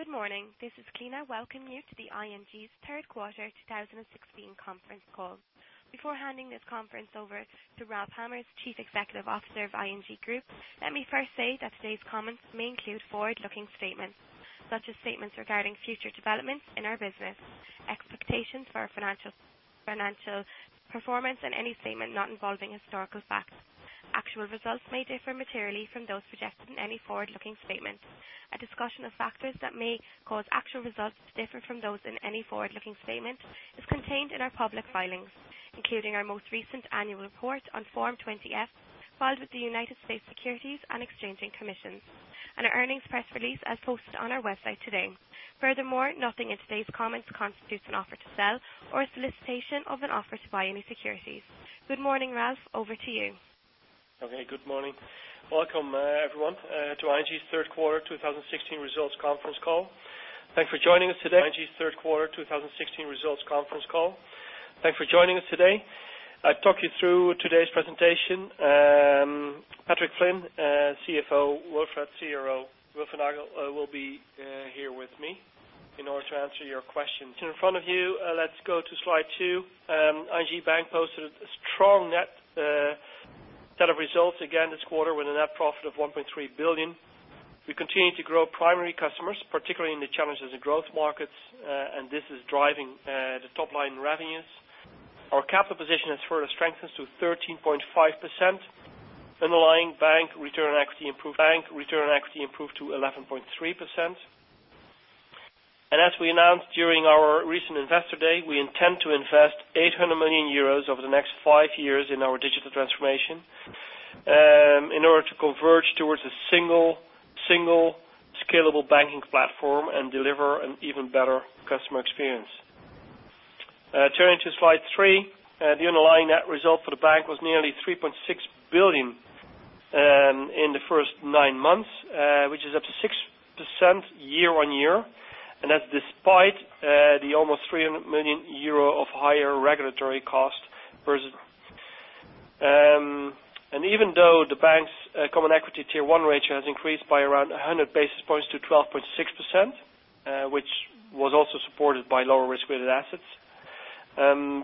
Good morning. This is Kina. Welcome you to ING's third quarter 2016 conference call. Before handing this conference over to Ralph Hamers, Chief Executive Officer of ING Groep, let me first say that today's comments may include forward-looking statements, such as statements regarding future developments in our business, expectations for our financial performance, and any statement not involving historical facts. Actual results may differ materially from those projected in any forward-looking statements. A discussion of factors that may cause actual results to differ from those in any forward-looking statement is contained in our public filings, including our most recent annual report on Form 20-F, filed with the United States Securities and Exchange Commission, and our earnings press release as posted on our website today. Nothing in today's comments constitutes an offer to sell or a solicitation of an offer to buy any securities. Good morning, Ralph. Over to you. Okay. Good morning. Welcome, everyone, to ING's third quarter 2016 results conference call. Thanks for joining us today. I talk you through today's presentation. Patrick Flynn, CFO, Wilfred, CRO, Wil van Aarten will be here with me in order to answer your questions. In front of you, let's go to slide two. ING Bank posted a strong net set of results again this quarter with a net profit of 1.3 billion. We continue to grow primary customers, particularly in the challenges in growth markets, and this is driving the top-line revenues. Our capital position has further strengthened to 13.5%. Underlying bank return equity improved to 11.3%. As we announced during our recent Investor Day, we intend to invest 800 million euros over the next five years in our digital transformation, in order to converge towards a single scalable banking platform and deliver an even better customer experience. Turning to slide three. The underlying net result for the bank was nearly 3.6 billion in the first nine months, which is up to 6% year-over-year. That's despite the almost 300 million euro of higher regulatory cost. Even though the bank's common equity Tier 1 ratio has increased by around 100 basis points to 12.6%, which was also supported by lower risk-weighted assets,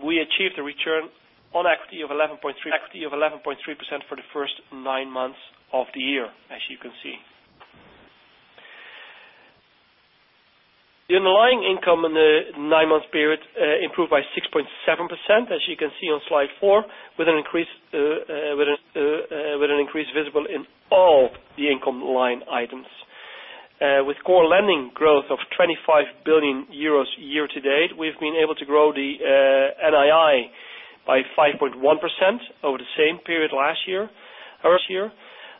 we achieved a return on equity of 11.3% for the first nine months of the year, as you can see. The underlying income in the nine-month period improved by 6.7%, as you can see on slide four, with an increase visible in all the income line items. With core lending growth of 25 billion euros year to date, we've been able to grow the NII by 5.1% over the same period last year.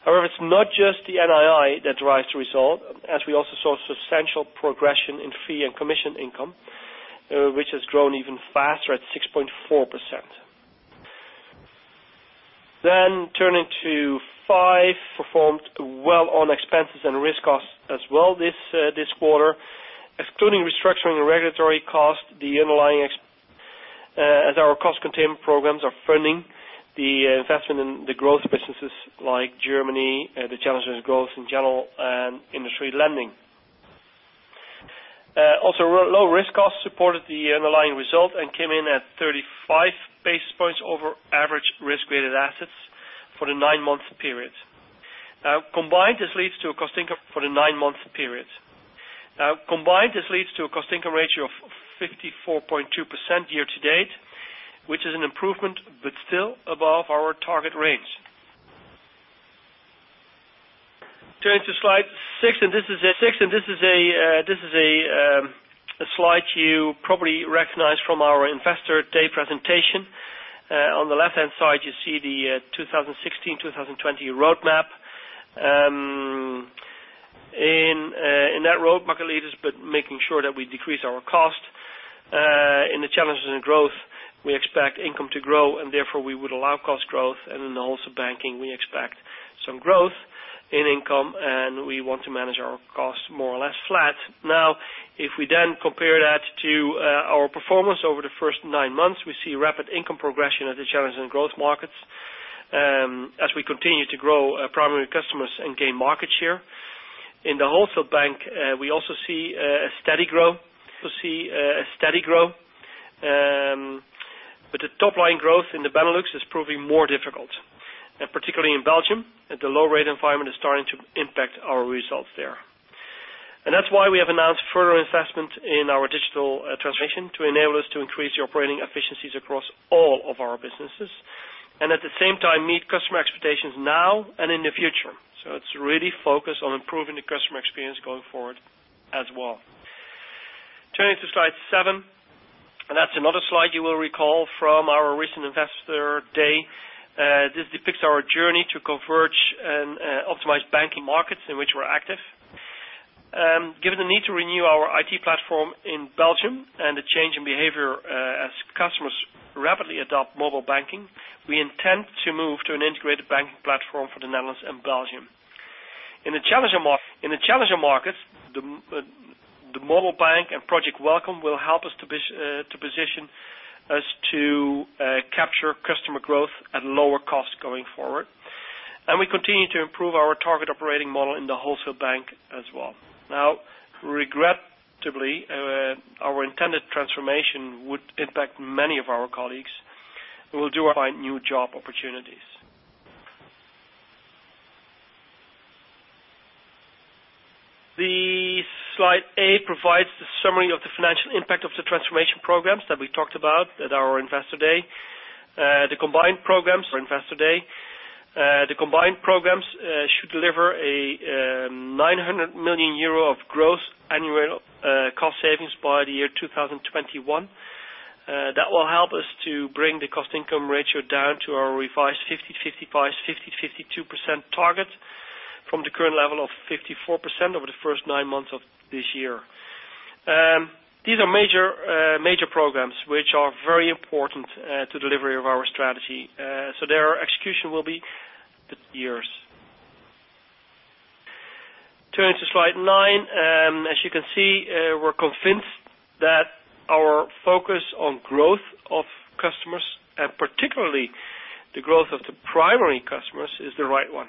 It's not just the NII that drives the result, as we also saw substantial progression in fee and commission income, which has grown even faster at 6.4%. Turning to five, performed well on expenses and risk costs as well this quarter, excluding restructuring the regulatory cost. As our cost containment programs are funding the investment in the growth businesses like Germany, the challenges in growth in general and industry lending. Low risk costs supported the underlying result and came in at 35 basis points over average risk-weighted assets for the nine-month period. Combined, this leads to a cost income ratio of 54.2% year to date, which is an improvement, but still above our target range. Turning to slide six, this is a slide you probably recognize from our Investor Day presentation. On the left-hand side, you see the 2016-2020 roadmap. In that roadmap, our leaders, but making sure that we decrease our cost. In the challenges in growth, we expect income to grow, and therefore we would allow cost growth. In the Wholesale Bank, we expect some growth in income, and we want to manage our costs more or less flat. If we compare that to our performance over the first nine months, we see rapid income progression at the challenges in growth markets as we continue to grow primary customers and gain market share. In the Wholesale Bank, we also see a steady growth. The top-line growth in the Benelux is proving more difficult. Particularly in Belgium, the low-rate environment is starting to impact our results there. That's why we have announced further investment in our digital transformation to enable us to increase the operating efficiencies across all of our businesses. At the same time, meet customer expectations now and in the future. It's really focused on improving the customer experience going forward as well. Turning to slide seven, that's another slide you will recall from our recent Investor Day. This depicts our journey to converge and optimize banking markets in which we're active. Given the need to renew our IT platform in Belgium and the change in behavior as customers rapidly adopt mobile banking, we intend to move to an integrated banking platform for the Netherlands and Belgium. In the challenger markets, the Model Bank and Project Welcome will help us to position us to capture customer growth at lower cost going forward. We continue to improve our target operating model in the Wholesale Bank as well. Regrettably, our intended transformation would impact many of our colleagues. We will find new job opportunities. Slide eight provides the summary of the financial impact of the transformation programs that we talked about at our Investor Day. The combined programs for Investor Day should deliver 900 million euro of growth annual cost savings by the year 2021. That will help us to bring the cost income ratio down to our revised 50/55, 50/52% target from the current level of 54% over the first nine months of this year. These are major programs, which are very important to delivery of our strategy. Their execution will be years. Turning to slide nine, as you can see, we're convinced that our focus on growth of customers, and particularly the growth of the primary customers, is the right one.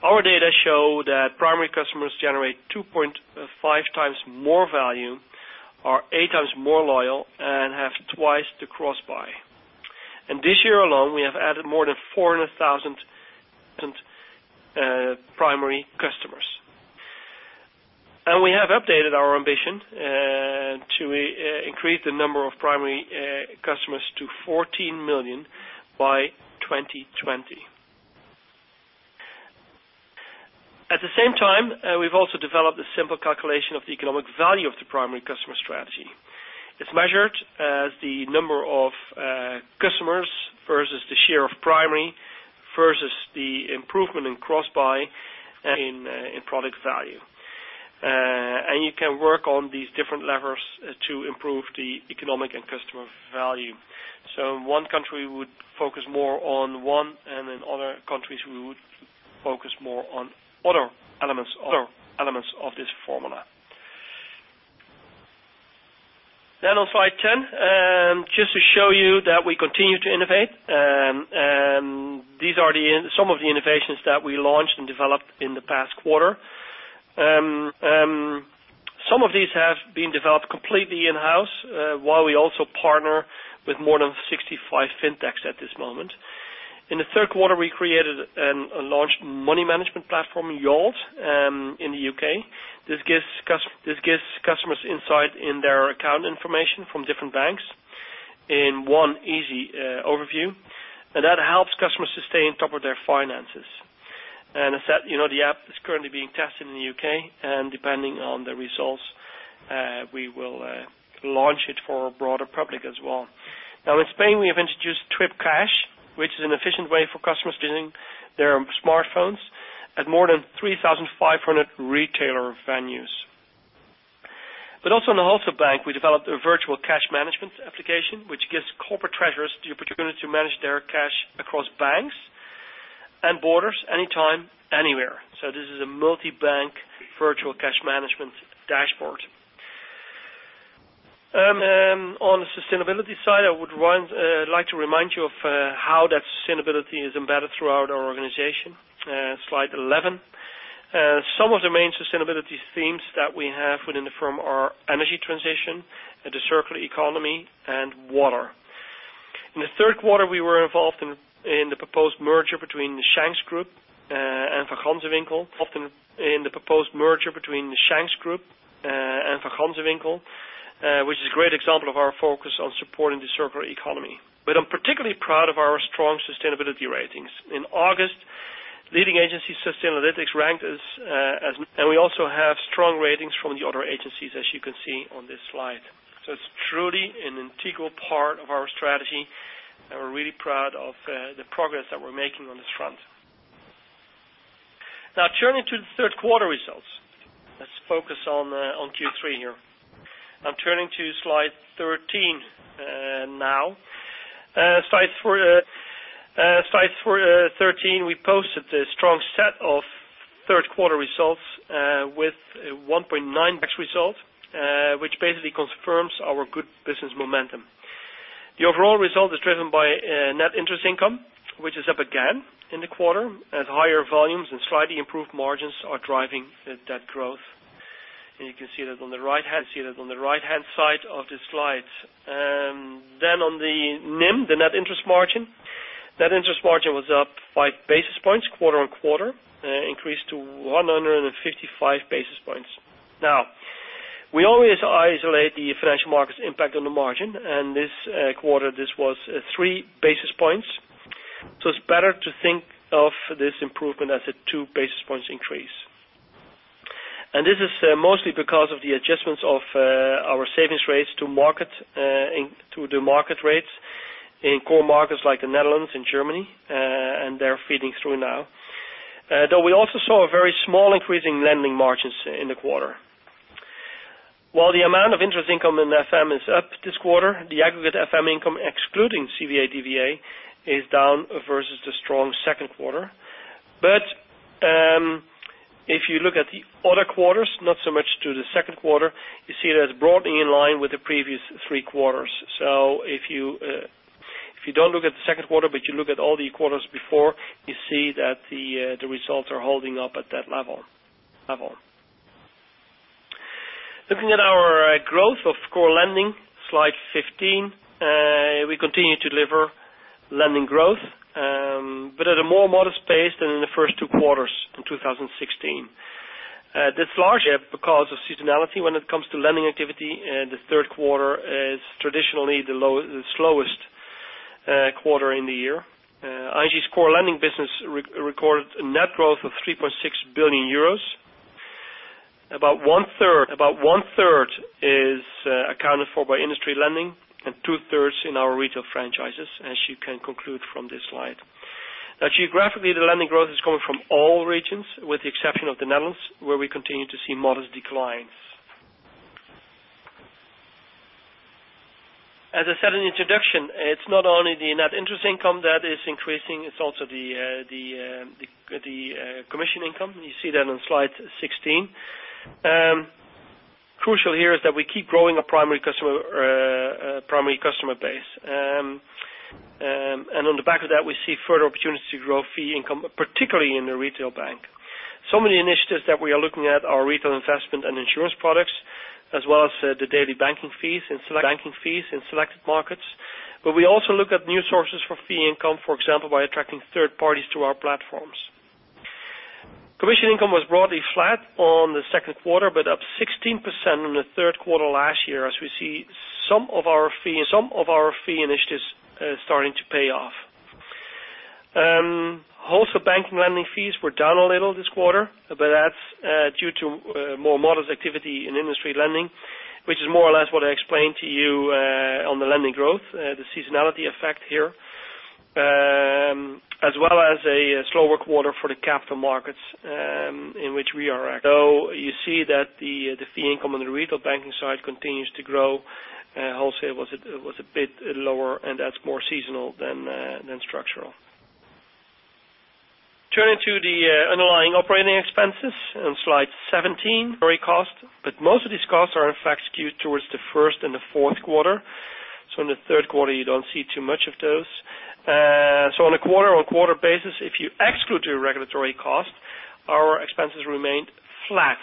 Our data show that primary customers generate 2.5 times more value, are eight times more loyal, and have twice the cross-buy. This year alone, we have added more than 400,000 primary customers. We have updated our ambition to increase the number of primary customers to 14 million by 2020. At the same time, we've also developed a simple calculation of the economic value of the primary customer strategy. It's measured as the number of customers versus the share of primary versus the improvement in cross-buy in product value. You can work on these different levers to improve the economic and customer value. In one country, we would focus more on one, and in other countries, we would focus more on other elements of this formula. On slide 10, just to show you that we continue to innovate. These are some of the innovations that we launched and developed in the past quarter. Some of these have been developed completely in-house, while we also partner with more than 65 fintechs at this moment. In the third quarter, we created and launched money management platform, Yolt, in the U.K. This gives customers insight in their account information from different banks in one easy overview. That helps customers to stay on top of their finances. The app is currently being tested in the U.K., and depending on the results, we will launch it for a broader public as well. In Spain, we have introduced Twyp Cash, which is an efficient way for customers using their smartphones at more than 3,500 retailer venues. Also in the Wholesale Bank, we developed a virtual cash management application, which gives corporate treasurers the opportunity to manage their cash across banks and borders anytime, anywhere. This is a multibank virtual cash management dashboard. On the sustainability side, I would like to remind you of how that sustainability is embedded throughout our organization. Slide 11. Some of the main sustainability themes that we have within the firm are energy transition, the circular economy, and water. In the third quarter, we were involved in the proposed merger between the Shanks Group and Van Gansewinkel, which is a great example of our focus on supporting the circular economy. I'm particularly proud of our strong sustainability ratings. In August, leading agency Sustainalytics. We also have strong ratings from the other agencies, as you can see on this slide. It's truly an integral part of our strategy, and we're really proud of the progress that we're making on this front. Turning to the third quarter results. Let's focus on Q3 here. I'm turning to slide 13 now. Slide 13, we posted a strong set of third quarter results, with a 1.9 X result, which basically confirms our good business momentum. The overall result is driven by net interest income, which is up again in the quarter as higher volumes and slightly improved margins are driving that growth. You can see that on the right-hand side of the slide. On the NIM, the net interest margin. Net interest margin was up five basis points quarter-on-quarter, increased to 155 basis points. We always isolate the financial markets impact on the margin, and this quarter, this was three basis points. It is better to think of this improvement as a two basis points increase. This is mostly because of the adjustments of our savings rates to the market rates in core markets like the Netherlands and Germany, and they are feeding through now. Though we also saw a very small increase in lending margins in the quarter. While the amount of interest income in FM is up this quarter, the aggregate FM income excluding CVA/DVA is down versus the strong second quarter. If you look at the other quarters, not so much to the second quarter, you see it as broadly in line with the previous three quarters. If you don't look at the second quarter, but you look at all the quarters before, you see that the results are holding up at that level. Looking at our growth of core lending, slide 15. We continue to deliver lending growth, but at a more modest pace than in the first two quarters in 2016. That is largely because of seasonality when it comes to lending activity, and the third quarter is traditionally the slowest quarter in the year. ING's core lending business recorded a net growth of 3.6 billion euros. About one-third is accounted for by industry lending, and two-thirds in our retail franchises, as you can conclude from this slide. Geographically, the lending growth is coming from all regions, with the exception of the Netherlands, where we continue to see modest declines. As I said in the introduction, it is not only the net interest income that is increasing, it is also the commission income. You see that on slide 16. Crucial here is that we keep growing our primary customer base. On the back of that, we see further opportunity to grow fee income, particularly in the retail bank. Some of the initiatives that we are looking at are retail investment and insurance products, as well as the daily banking fees in selected markets. We also look at new sources for fee income, for example, by attracting third parties to our platforms. Commission income was broadly flat on the second quarter, but up 16% on the third quarter last year, as we see some of our fee initiatives starting to pay off. Wholesale banking lending fees were down a little this quarter, but that is due to more modest activity in industry lending, which is more or less what I explained to you on the lending growth, the seasonality effect here, as well as a slower quarter for the capital markets in which we are active. You see that the fee income on the retail banking side continues to grow. Wholesale was a bit lower, and that is more seasonal than structural. Turning to the underlying operating expenses on slide 17. Very cost, but most of these costs are in fact skewed towards the first and the fourth quarter. In the third quarter, you don't see too much of those. On a quarter-on-quarter basis, if you exclude your regulatory cost, our expenses remained flat.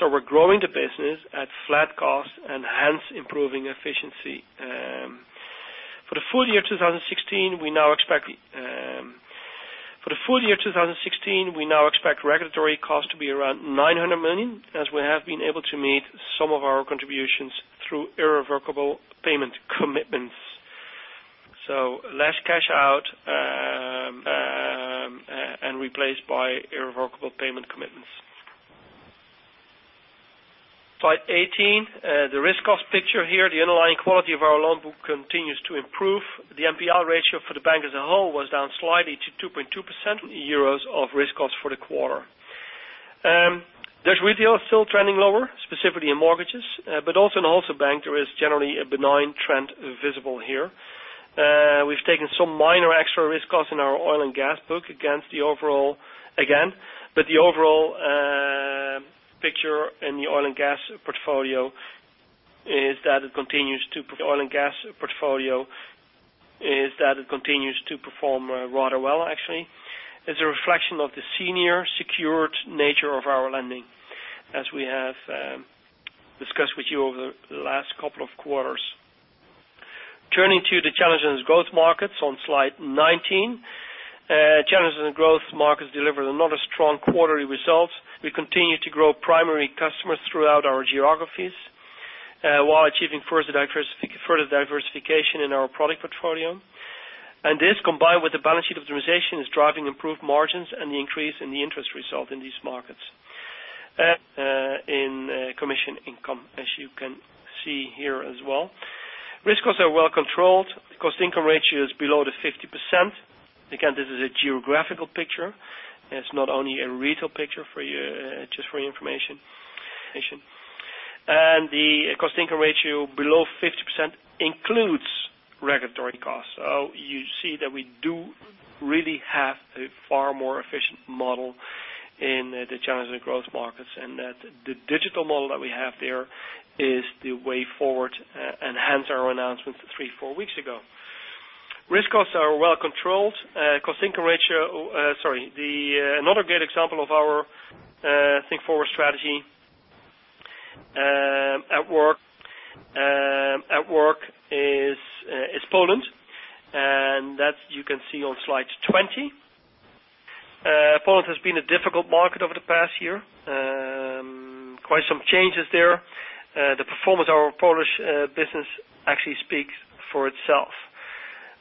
We're growing the business at flat cost and hence improving efficiency. For the full year 2016, we now expect regulatory cost to be around 900 million, as we have been able to meet some of our contributions through irrevocable payment commitments. Less cash out and replaced by irrevocable payment commitments. Slide 18. The risk cost picture here. The underlying quality of our loan book continues to improve. The NPL ratio for the bank as a whole was down slightly to 2.2% EUR of risk cost for the quarter. There's retail still trending lower, specifically in mortgages. But also in Wholesale Bank, there is generally a benign trend visible here. We've taken some minor extra risk costs in our oil and gas book again. The overall picture in the oil and gas portfolio is that it continues to perform rather well, actually. It's a reflection of the senior secured nature of our lending, as we have discussed with you over the last couple of quarters. Turning to the challenges in growth markets on slide 19. Challenges in growth markets delivered another strong quarterly result. We continue to grow primary customers throughout our geographies, while achieving further diversification in our product portfolio. This, combined with the balance sheet optimization, is driving improved margins and the increase in the interest result in these markets. In commission income, as you can see here as well. Risk costs are well controlled. Cost income ratio is below 50%. Again, this is a geographical picture. It's not only a retail picture for you, just for your information. The cost income ratio below 50% includes regulatory costs. You see that we do really have a far more efficient model in the challenging growth markets, and that the digital model that we have there is the way forward and hence our announcement three, four weeks ago. Risk costs are well controlled. Another great example of our Think Forward strategy at work is Poland, and that you can see on slide 20. Poland has been a difficult market over the past year. Quite some changes there. The performance of our Polish business actually speaks for itself.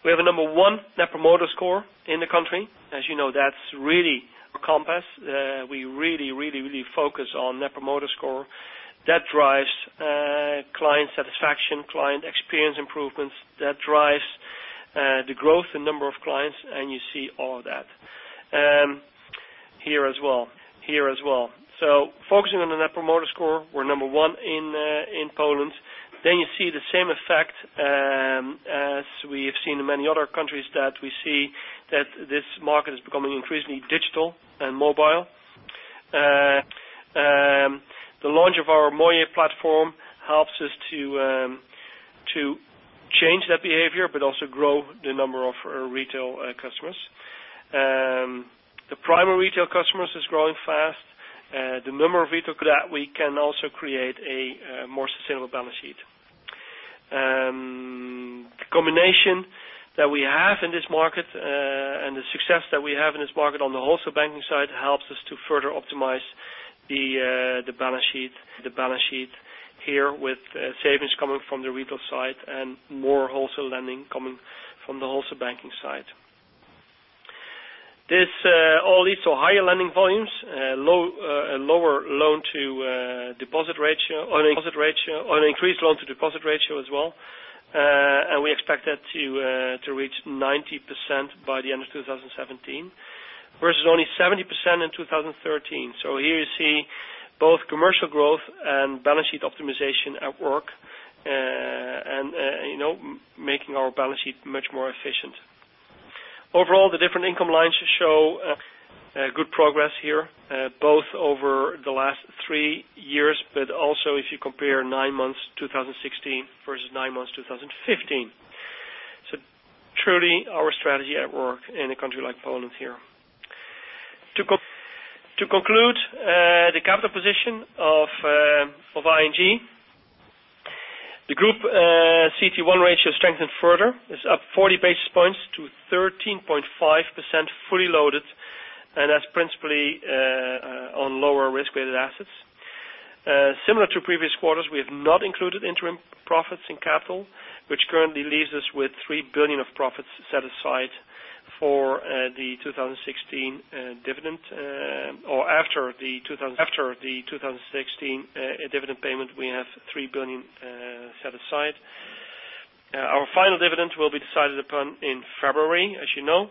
We have a number 1 Net Promoter Score in the country. As you know, that's really our compass. We really focus on Net Promoter Score. That drives client satisfaction, client experience improvements. That drives the growth in number of clients, and you see all that here as well. Focusing on the Net Promoter Score, we're number 1 in Poland. You see the same effect as we have seen in many other countries, that we see that this market is becoming increasingly digital and mobile. The launch of our Moje platform helps us to change that behavior but also grow the number of retail customers. The primary retail customers is growing fast. The number of retail, that we can also create a more sustainable balance sheet. The combination that we have in this market and the success that we have in this market on the Wholesale Banking side helps us to further optimize the balance sheet here with savings coming from the retail side and more Wholesale lending coming from the Wholesale Banking side. This all leads to higher lending volumes, an increased loan to deposit ratio as well, and we expect that to reach 90% by the end of 2017, versus only 70% in 2013. Here you see both commercial growth and balance sheet optimization at work, and making our balance sheet much more efficient. Overall, the different income lines show good progress here, both over the last three years, but also if you compare nine months 2016 versus nine months 2015. Truly our strategy at work in a country like Poland here. To conclude, the capital position of ING. The Group CET1 ratio strengthened further. It is up 40 basis points to 13.5%, fully loaded, and that is principally on lower risk-weighted assets. Similar to previous quarters, we have not included interim profits in capital, which currently leaves us with 3 billion of profits set aside for the 2016 dividend, or after the 2016 dividend payment, we have 3 billion set aside. Our final dividend will be decided upon in February, as you know.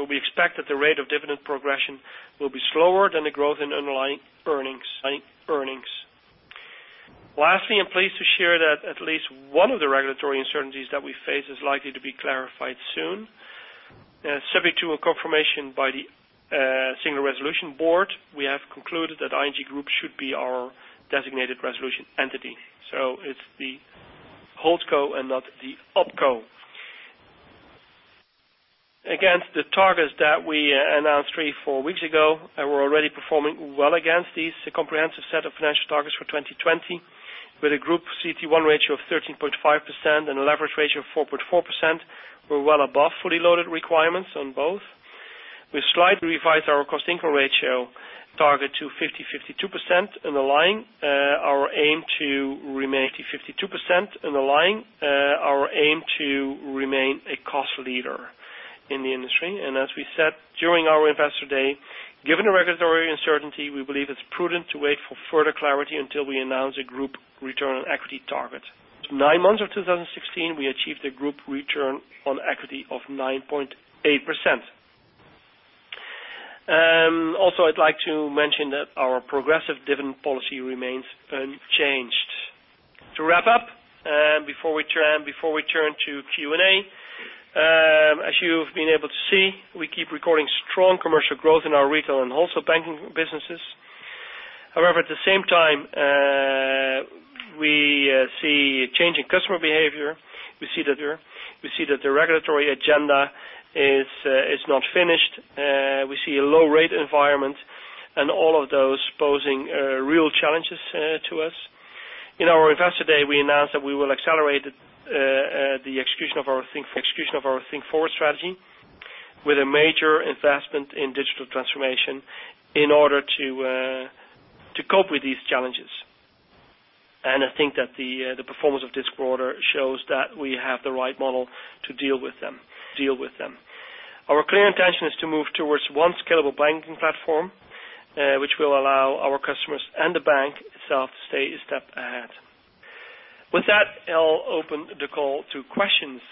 We expect that the rate of dividend progression will be slower than the growth in underlying earnings. Lastly, I am pleased to share that at least one of the regulatory uncertainties that we face is likely to be clarified soon. Subject to a confirmation by the Single Resolution Board, we have concluded that ING Group should be our designated resolution entity. It is the Holdco and not the Opco. Against the targets that we announced three, four weeks ago, we are already performing well against these comprehensive set of financial targets for 2020, with a Group CET1 ratio of 13.5% and a leverage ratio of 4.4%. We are well above fully loaded requirements on both. We slightly revised our cost-income ratio target to 50-52% and align our aim to remain a cost leader in the industry. As we said during our Investor Day, given the regulatory uncertainty, we believe it is prudent to wait for further clarity until we announce a group return on equity target. Nine months of 2016, we achieved a group return on equity of 9.8%. Also, I would like to mention that our progressive dividend policy remains unchanged. To wrap up, before we turn to Q&A, as you have been able to see, we keep recording strong commercial growth in our retail and wholesale banking businesses. However, at the same time, we see a change in customer behavior. We see that the regulatory agenda is not finished. We see a low rate environment and all of those posing real challenges to us. In our Investor Day, we announced that we will accelerate the execution of our Think Forward strategy with a major investment in digital transformation in order to cope with these challenges. I think that the performance of this quarter shows that we have the right model to deal with them. Our clear intention is to move towards one scalable banking platform, which will allow our customers and the bank itself to stay a step ahead. With that, I will open the call to questions.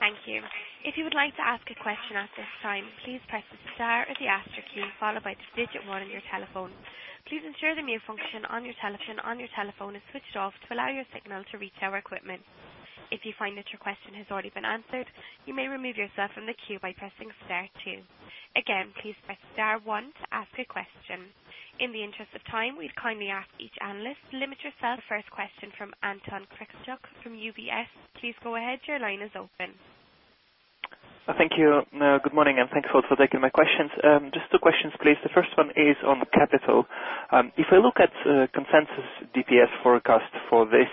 Thank you. If you would like to ask a question at this time, please press the star or the asterisk key, followed by the digit one on your telephone. Please ensure the mute function on your telephone is switched off to allow your signal to reach our equipment. If you find that your question has already been answered, you may remove yourself from the queue by pressing star two. Again, please press star one to ask a question. In the interest of time, we'd kindly ask each analyst to limit yourself. The first question from Anton Kraskoch from UBS. Please go ahead. Your line is open. Thank you. Good morning. Thanks a lot for taking my questions. Just two questions, please. The first one is on capital. If I look at consensus DPS forecast for this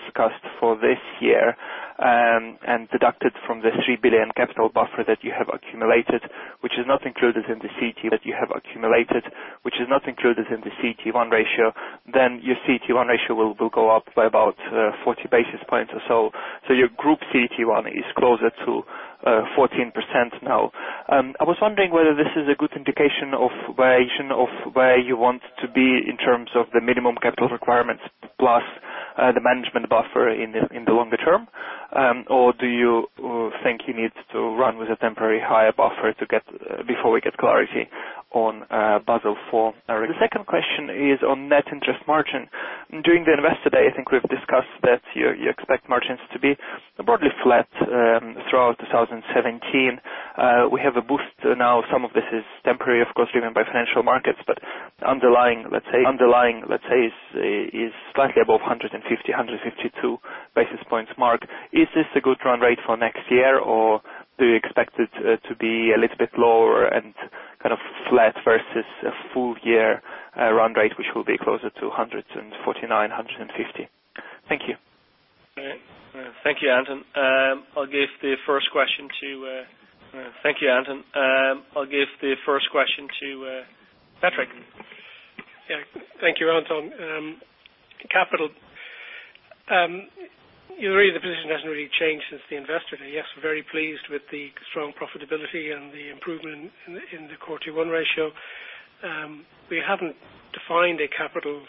year, and deducted from the 3 billion capital buffer that you have accumulated, which is not included in the CET1 ratio, then your CET1 ratio will go up by about 40 basis points or so. Your Group CET1 is closer to 14% now. I was wondering whether this is a good indication of where you want to be in terms of the minimum capital requirements plus the management buffer in the longer term. Do you think you need to run with a temporary higher buffer before we get clarity on Basel IV. The second question is on net interest margin. During the Investor Day, I think we've discussed that you expect margins to be broadly flat throughout 2017. We have a boost now, some of this is temporary, of course, driven by financial markets, but underlying, let's say, is slightly above 150, 152 basis points mark. Is this a good run rate for next year, or do you expect it to be a little bit lower and kind of flat versus a full year run rate, which will be closer to 149, 150? Thank you. Thank you, Anton. I'll give the first question to Patrick. Yeah. Thank you, Anton. Capital. Really the position hasn't really changed since the Investor Day. Yes, we're very pleased with the strong profitability and the improvement in the Core Tier 1 ratio. We haven't defined a capital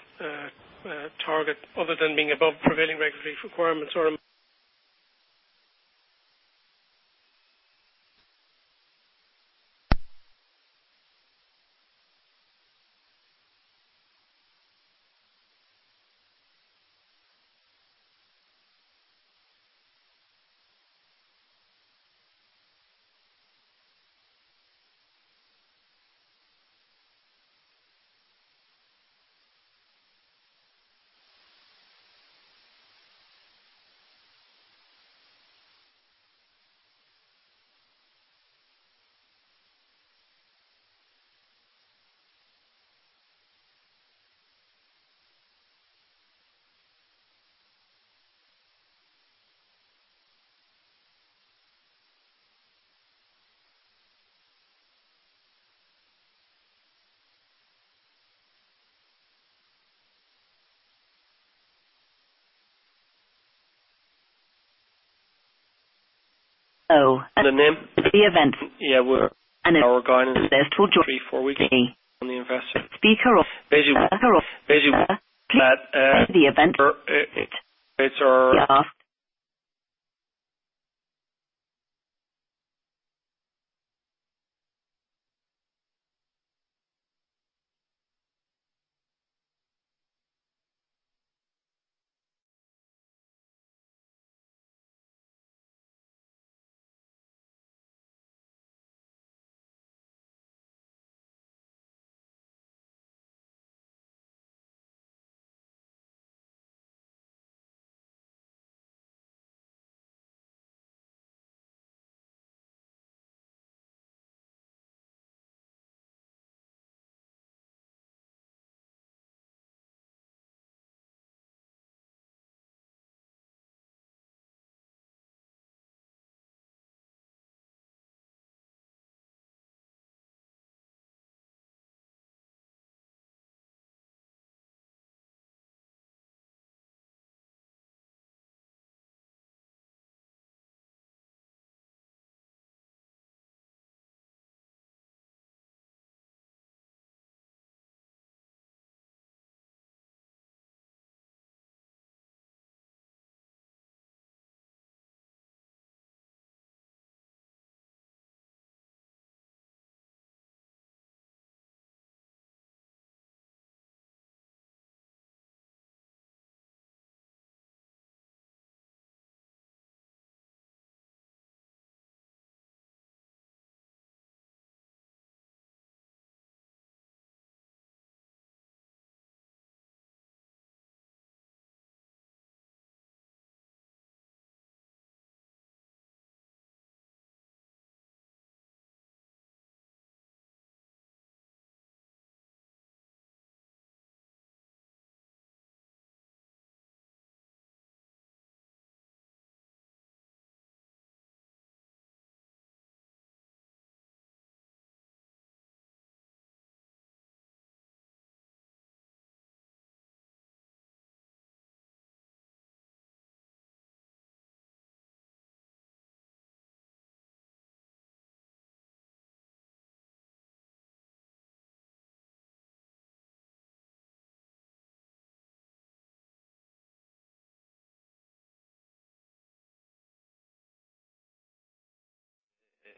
target other than being above prevailing regulatory requirements. Oh. The name. The event. Yeah, we're. It's. Our guidance. There's. [inaudible] Three, four weeks ago on the investor. Speaker. Basically. The event. It's our.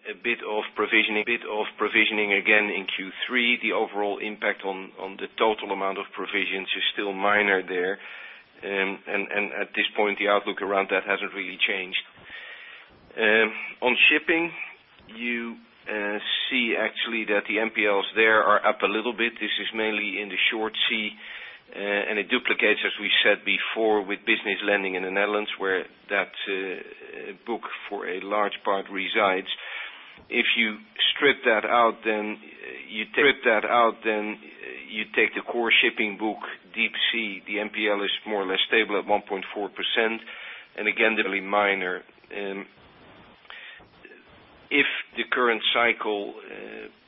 Yeah. A bit of provisioning again in Q3. The overall impact on the total amount of provisions is still minor there. At this point, the outlook around that hasn't really changed. On shipping, you see actually that the NPLs there are up a little bit. This is mainly in the short sea, and it duplicates, as we said before, with business lending in the Netherlands, where that book for a large part resides. If you strip that out, then you take the core shipping book, deep sea, the NPL is more or less stable at 1.4%, and again, they're really minor. If the current cycle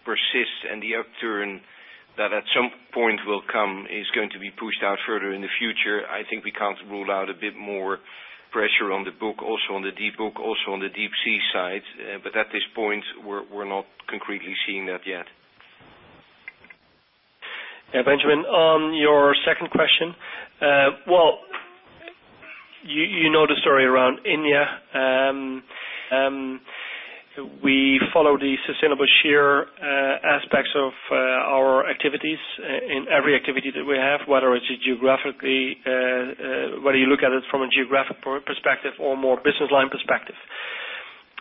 persists and the upturn That at some point will come, is going to be pushed out further in the future. I think we can't rule out a bit more pressure on the book, also on the deep book, also on the deep sea side. At this point, we're not concretely seeing that yet. Yeah, Benjamin, on your second question. Well, you know the story around India. We follow the sustainable share aspects of our activities in every activity that we have, whether you look at it from a geographic perspective or more business line perspective.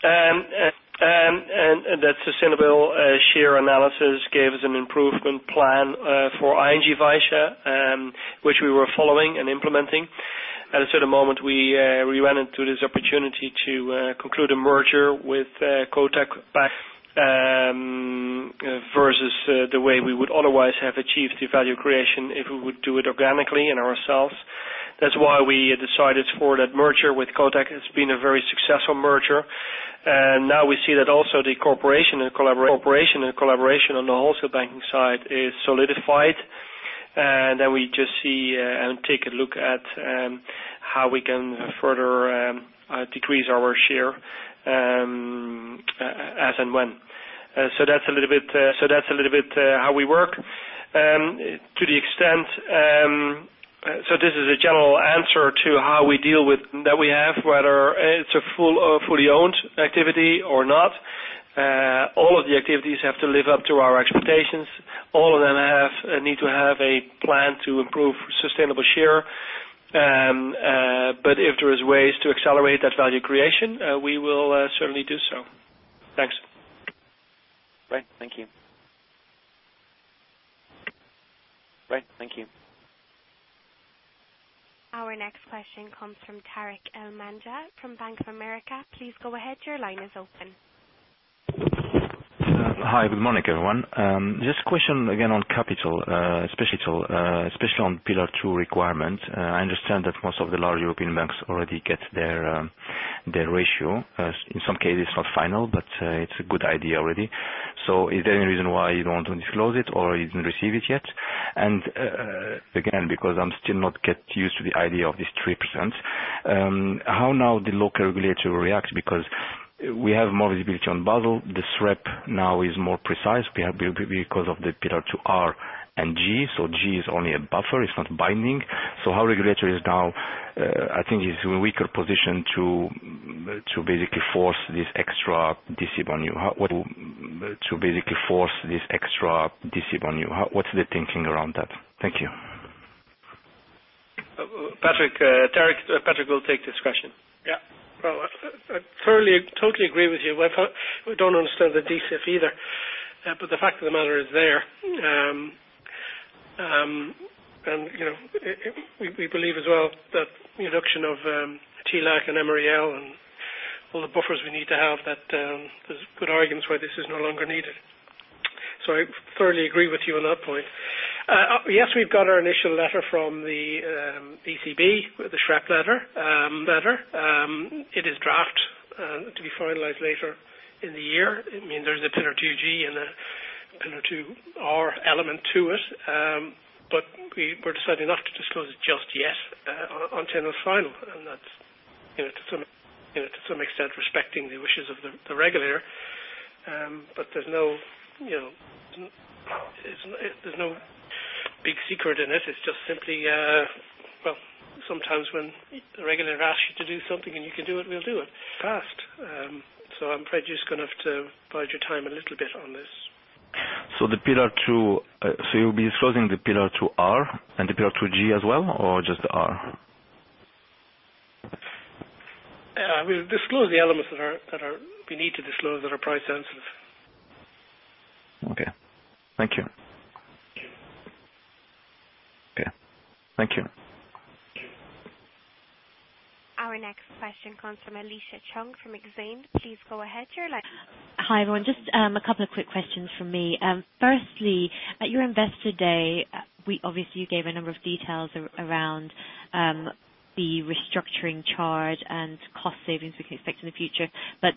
That sustainable share analysis gave us an improvement plan for ING Vysya which we were following and implementing. At the moment we ran into this opportunity to conclude a merger with Kotak Bank, versus the way we would otherwise have achieved the value creation if we would do it organically and ourselves. That's why we decided for that merger with Kotak. It's been a very successful merger. Now we see that also the corporation and collaboration on the Wholesale Bank side is solidified. Then we just see and take a look at how we can further decrease our share, as and when. That's a little bit how we work. To the extent, so this is a general answer to how we deal with That we have, whether it's a fully owned activity or not. All of the activities have to live up to our expectations. All of them need to have a plan to improve sustainable share. If there is ways to accelerate that value creation, we will certainly do so. Thanks. Great. Thank you. Our next question comes from Tarik El Mejjad from Bank of America. Please go ahead. Your line is open. Hi, good morning, everyone. Just a question again on capital, especially on Pillar 2 requirement. I understand that most of the large European banks already get their ratio, in some cases not final, but it's a good idea already. Is there any reason why you don't want to disclose it or you didn't receive it yet? Again, because I'm still not get used to the idea of this 3%. How now the local regulator reacts because we have more visibility on Basel. The SREP now is more precise because of the Pillar 2R and G is only a buffer, it's not binding. Our regulator is now, I think, is in a weaker position to basically force this extra DC on you. What's the thinking around that? Thank you. Patrick. Tarik, Patrick will take this question. Yeah. Well, I totally agree with you. We don't understand the DC either. The fact of the matter is there. We believe as well that the introduction of TLAC and MREL and all the buffers we need to have that there's good arguments why this is no longer needed. I thoroughly agree with you on that point. Yes, we've got our initial letter from the ECB, the SREP letter. It is draft, to be finalized later in the year. There's a Pillar 2G and a Pillar 2R element to it. We've decided not to disclose it just yet until it's final. That's, to some extent, respecting the wishes of the regulator. There's no big secret in it. It's just simply, well, sometimes when the regulator asks you to do something and you can do it, we'll do it fast. I'm afraid you're just going to have to bide your time a little bit on this. The Pillar 2, so you'll be disclosing the Pillar 2R and the Pillar 2G as well, or just the R? We'll disclose the elements that we need to disclose that are price sensitive. Okay. Thank you. Our next question comes from Alicia Chung from Exane. Please go ahead, your line- Hi, everyone. Just a couple of quick questions from me. Firstly, at your Investor Day, you obviously gave a number of details around the restructuring charge and cost savings we can expect in the future.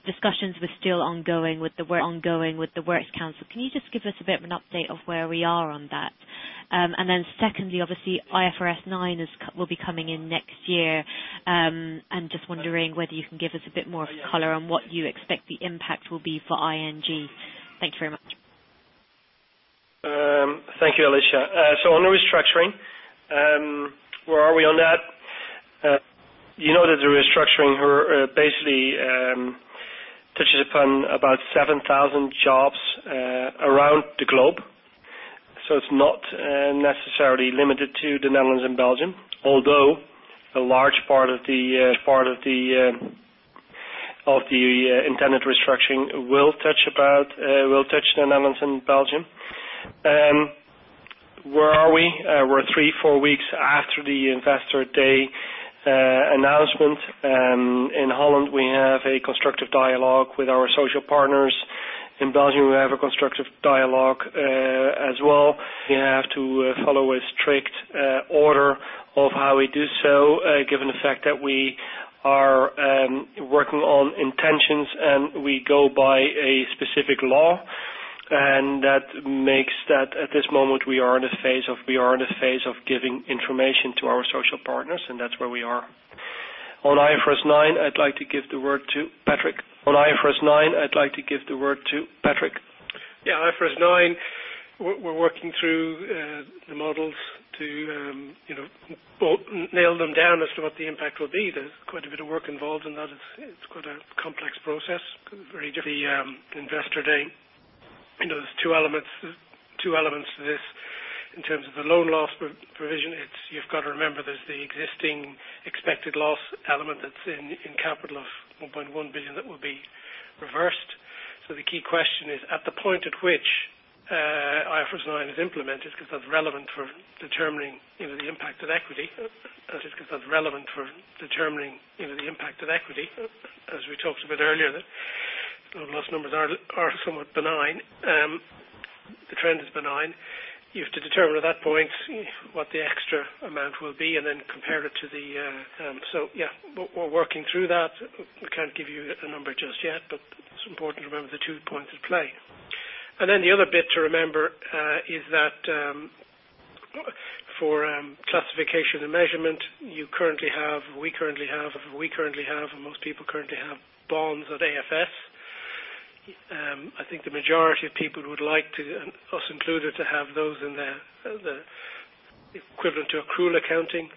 Discussions were still ongoing with the Works Council. Can you just give us a bit of an update of where we are on that? Secondly, obviously IFRS 9 will be coming in next year. Just wondering whether you can give us a bit more color on what you expect the impact will be for ING. Thank you very much. Thank you, Alicia. On the restructuring, where are we on that? You know that the restructuring basically touches upon about 7,000 jobs around the globe. It's not necessarily limited to the Netherlands and Belgium, although a large part of the intended restructuring will touch the Netherlands and Belgium. Where are we? We're three, four weeks after the Investor Day announcement. In Holland, we have a constructive dialogue with our social partners. In Belgium, we have a constructive dialogue as well. We have to follow a strict order of how we do so, given the fact that we are working on intentions and we go by a specific law. That makes that at this moment we are in a phase of giving information to our social partners, and that's where we are. On IFRS 9, I'd like to give the word to Patrick. On IFRS 9, I'd like to give the word to Patrick. Yeah. IFRS 9, we're working through the models to nail them down as to what the impact will be. There's quite a bit of work involved in that. It's quite a complex process. The Investor Day. There's two elements to this in terms of the loan loss provision. You've got to remember there's the existing expected loss element that's in capital of 1.1 billion that will be reversed. The key question is, at the point at which IFRS 9 is implemented, because that's relevant for determining the impact of equity, as we talked about earlier, that loan loss numbers are somewhat benign. The trend is benign. You have to determine at that point what the extra amount will be and then compare it. Yeah, we're working through that. We can't give you a number just yet, it's important to remember the two points at play. The other bit to remember is that for classification and measurement, we currently have, and most people currently have, bonds at AFS. I think the majority of people would like to, us included, to have those in the equivalent to accrual accounting.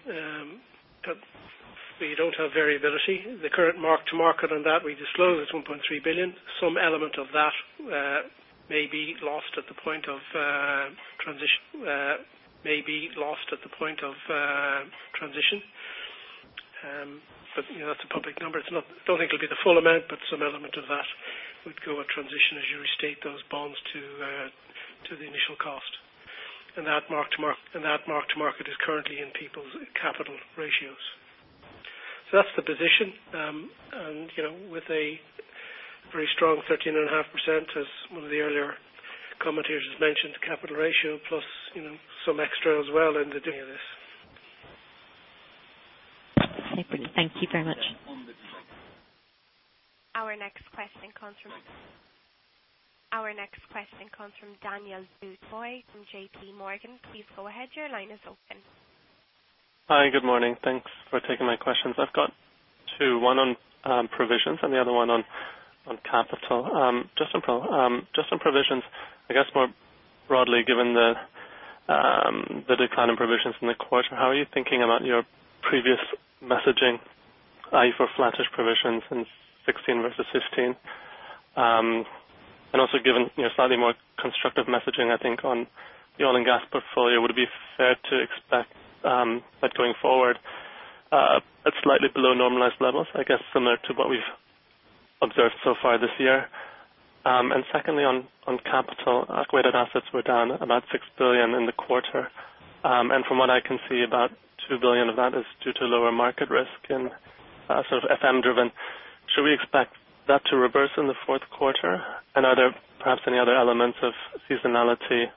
We don't have variability. The current mark to market on that we disclose is 1.3 billion. Some element of that may be lost at the point of transition. That's a public number. I don't think it'll be the full amount, some element of that would go at transition as you restate those bonds to the initial cost. That mark to market is currently in people's capital ratios. That's the position. With a very strong 13.5%, as one of the earlier commentators has mentioned, capital ratio plus some extra as well in the doing of this. Okay. Thank you very much. Our next question comes from Daniel Bootboy from JPMorgan. Please go ahead. Your line is open. Hi. Good morning. Thanks for taking my questions. I have got two, one on provisions and the other one on capital. Just on provisions, I guess more broadly given the decline in provisions in the quarter, how are you thinking about your previous messaging for flattish provisions in 2016 versus 2015? Also given slightly more constructive messaging, I think, on the oil and gas portfolio, would it be fair to expect that going forward at slightly below normalized levels, I guess similar to what we have observed so far this year? Secondly, on capital, our weighted assets were down about 6 billion in the quarter. From what I can see, about 2 billion of that is due to lower market risk and sort of FM driven. Should we expect that to reverse in the fourth quarter? Are there perhaps any other elements of seasonality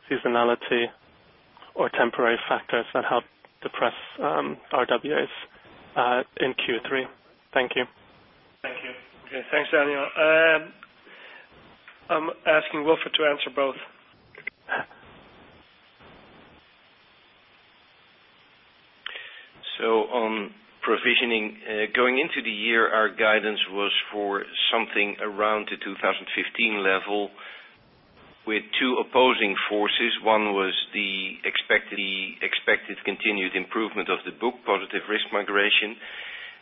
or temporary factors that help depress RWAs in Q3? Thank you. Thank you. Okay. Thanks, Daniel. I am asking Wilfred to answer both. On provisioning, going into the year, our guidance was for something around the 2015 level with two opposing forces. One was the expected continued improvement of the book, positive risk migration,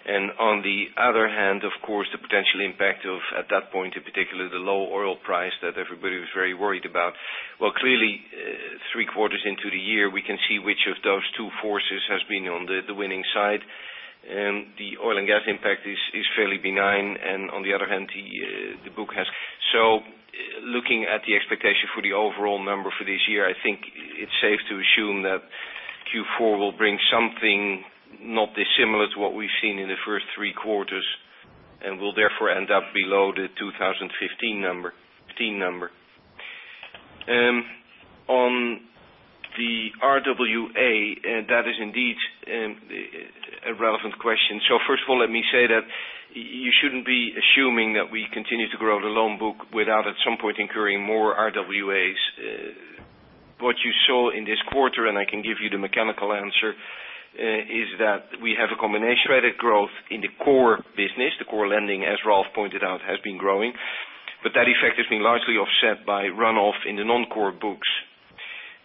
and on the other hand, of course, the potential impact of, at that point in particular, the low oil price that everybody was very worried about. Clearly, three quarters into the year, we can see which of those two forces has been on the winning side. The oil and gas impact is fairly benign, and on the other hand, the book has. Looking at the expectation for the overall number for this year, I think it is safe to assume that Q4 will bring something not dissimilar to what we have seen in the first three quarters and will therefore end up below the 2015 number. On the RWA, that is indeed a relevant question. First of all, let me say that you shouldn't be assuming that we continue to grow the loan book without at some point incurring more RWAs. What you saw in this quarter, and I can give you the mechanical answer, is that we have a combination. Credit growth in the core business. The core lending, as Ralph pointed out, has been growing. That effect has been largely offset by runoff in the non-core books.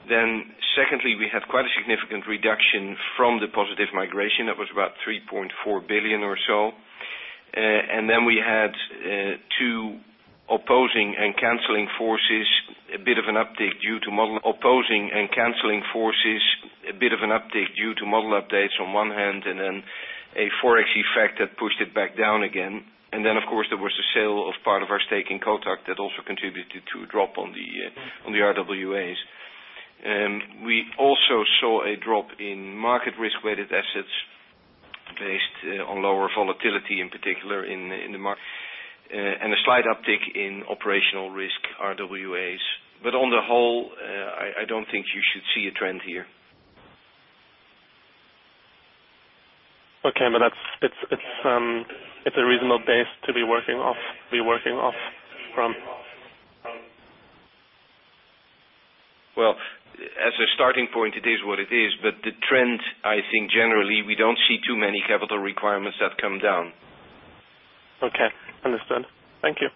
Secondly, we had quite a significant reduction from the positive migration. That was about 3.4 billion or so. We had two opposing and canceling forces, a bit of an update due to model updates on one hand, and a FOREX effect that pushed it back down again. Of course, there was the sale of part of our stake in Kotak that also contributed to a drop on the RWAs. We also saw a drop in market risk-weighted assets On lower volatility, in particular in the market, and a slight uptick in operational risk RWAs. On the whole, I don't think you should see a trend here. Okay. It's a reasonable base to be working off from. Well, as a starting point, it is what it is, but the trend, I think generally, we don't see too many capital requirements that come down. Okay. Understood. Thank you.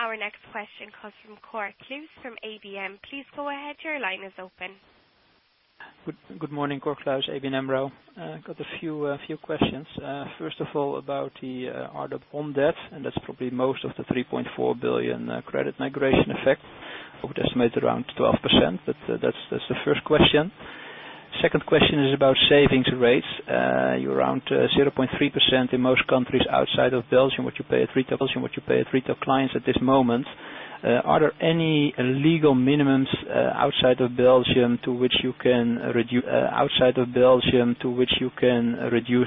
Our next question comes from Cor Kloos from ABN. Please go ahead. Your line is open. Good morning, Cor Kloos, ABN AMRO. I got a few questions. First of all, about the RWA bond debt, and that's probably most of the 3.4 billion credit migration effect, I would estimate around 12%, but that's the first question. Second question is about savings rates. You're around 0.3% in most countries outside of Belgium, which you pay retail clients at this moment. Are there any legal minimums outside of Belgium to which you can reduce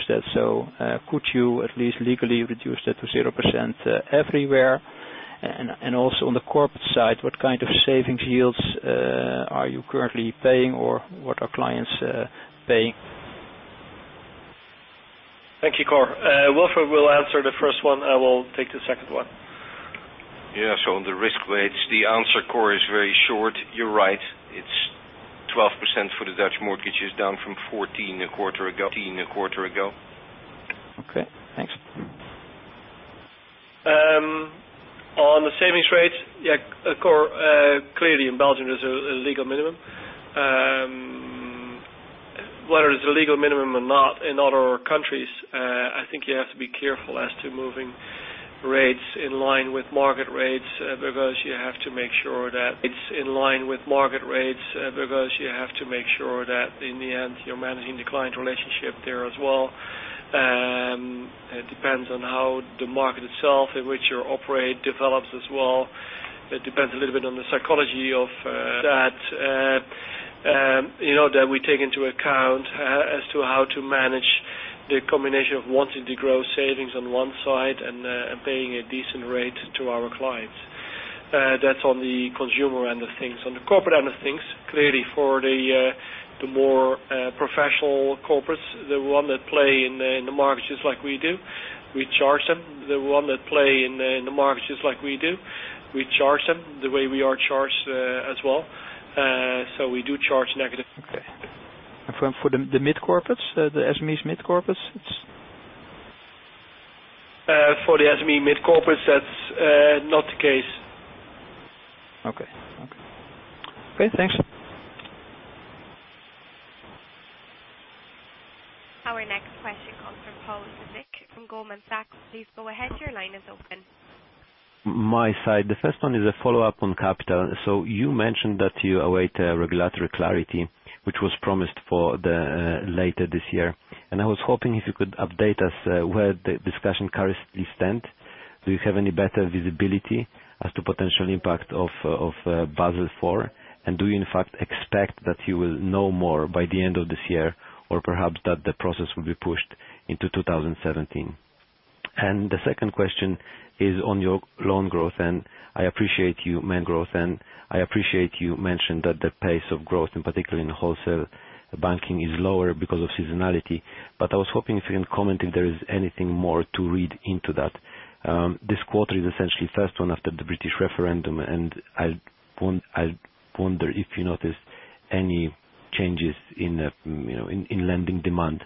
that? Could you at least legally reduce that to 0% everywhere? And also on the corporate side, what kind of savings yields are you currently paying, or what are clients paying? Thank you, Cor. Wilfred will answer the first one, I will take the second one. Yeah. On the risk weights, the answer, Cor, is very short. You're right. It's 12% for the Dutch mortgages, down from 14% a quarter ago. Okay, thanks. On the savings rates, yeah, Cor, clearly in Belgium, there's a legal minimum. Whether there's a legal minimum or not in other countries, I think you have to be careful as to moving rates in line with market rates, because you have to make sure that it's in line with market rates, because you have to make sure that in the end, you're managing the client relationship there as well. It depends on how the market itself in which you operate develops as well. It depends a little bit on the psychology of that that we take into account as to how to manage the combination of wanting to grow savings on one side and paying a decent rate to our clients. That's on the consumer end of things. On the corporate end of things, clearly for the more professional corporates, the one that play in the market just like we do, we charge them the way we are charged as well. We do charge negative. Okay. For the mid-corporates, the SMEs mid-corporates? For the SME mid-corporates, that's not the case. Okay. Thanks. Our next question comes from Pawel Zywicz from Goldman Sachs. Please go ahead. Your line is open. My side, the first one is a follow-up on capital. You mentioned that you await regulatory clarity, which was promised for later this year. I was hoping if you could update us where the discussion currently stands. Do you have any better visibility as to potential impact of Basel IV? Do you in fact expect that you will know more by the end of this year, or perhaps that the process will be pushed into 2017? The second question is on your loan growth. I appreciate you mentioned that the pace of growth, in particular in the Wholesale Bank, is lower because of seasonality. I was hoping if you can comment if there is anything more to read into that. This quarter is essentially first one after the British referendum. I wonder if you noticed any changes in lending demand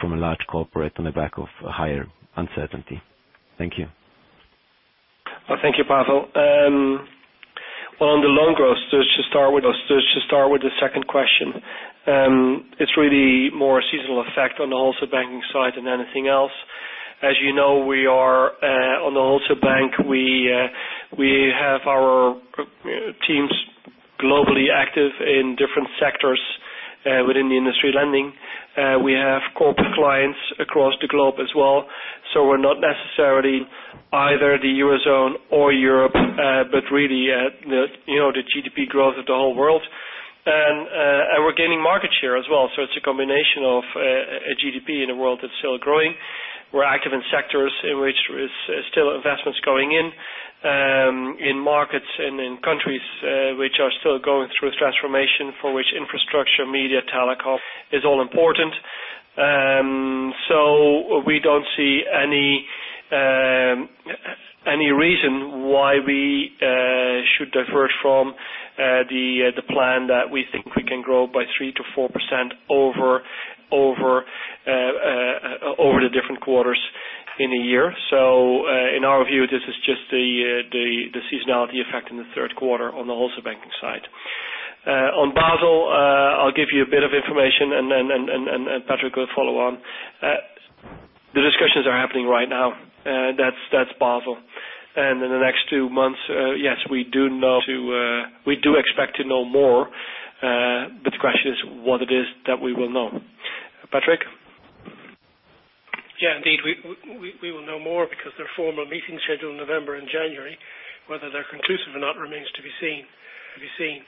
from a large corporate on the back of higher uncertainty. Thank you. Thank you, Pawel. On the loan growth, to start with the second question. It's really more a seasonal effect on the Wholesale Bank side than anything else. As you know, on the Wholesale Bank, we have our teams globally active in different sectors within the industry lending. We have corporate clients across the globe as well. We're not necessarily either the Eurozone or Europe, but really the GDP growth of the whole world. We're gaining market share as well. It's a combination of a GDP in a world that's still growing. We're active in sectors in which there is still investments going in markets and in countries which are still going through a transformation for which infrastructure, media, telecom is all important. We don't see any reason why we should diverge from the plan that we think we can grow by 3%-4% over the different quarters in a year. In our view, this is just the seasonality effect in the third quarter on the Wholesale Bank side. On Basel, I'll give you a bit of information and Patrick will follow on. The discussions are happening right now. That's Basel. In the next two months, yes, we do expect to know more, but the question is what it is that we will know. Patrick? Indeed, we will know more because there are formal meetings scheduled in November and January. Whether they're conclusive or not remains to be seen.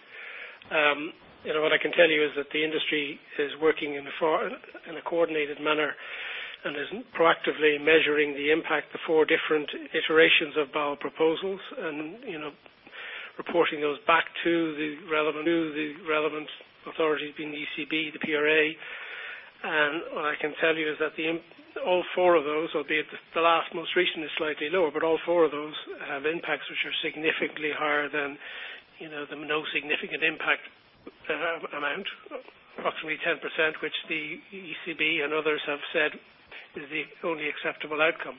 What I can tell you is that the industry is working in a coordinated manner and is proactively measuring the impact of four different iterations of Basel proposals and reporting those back to the relevant authorities, being the ECB, the PRA. What I can tell you is that all four of those, albeit the last, most recent is slightly lower, but all four of those have impacts which are significantly higher than the no significant impact amount, approximately 10%, which the ECB and others have said is the only acceptable outcome.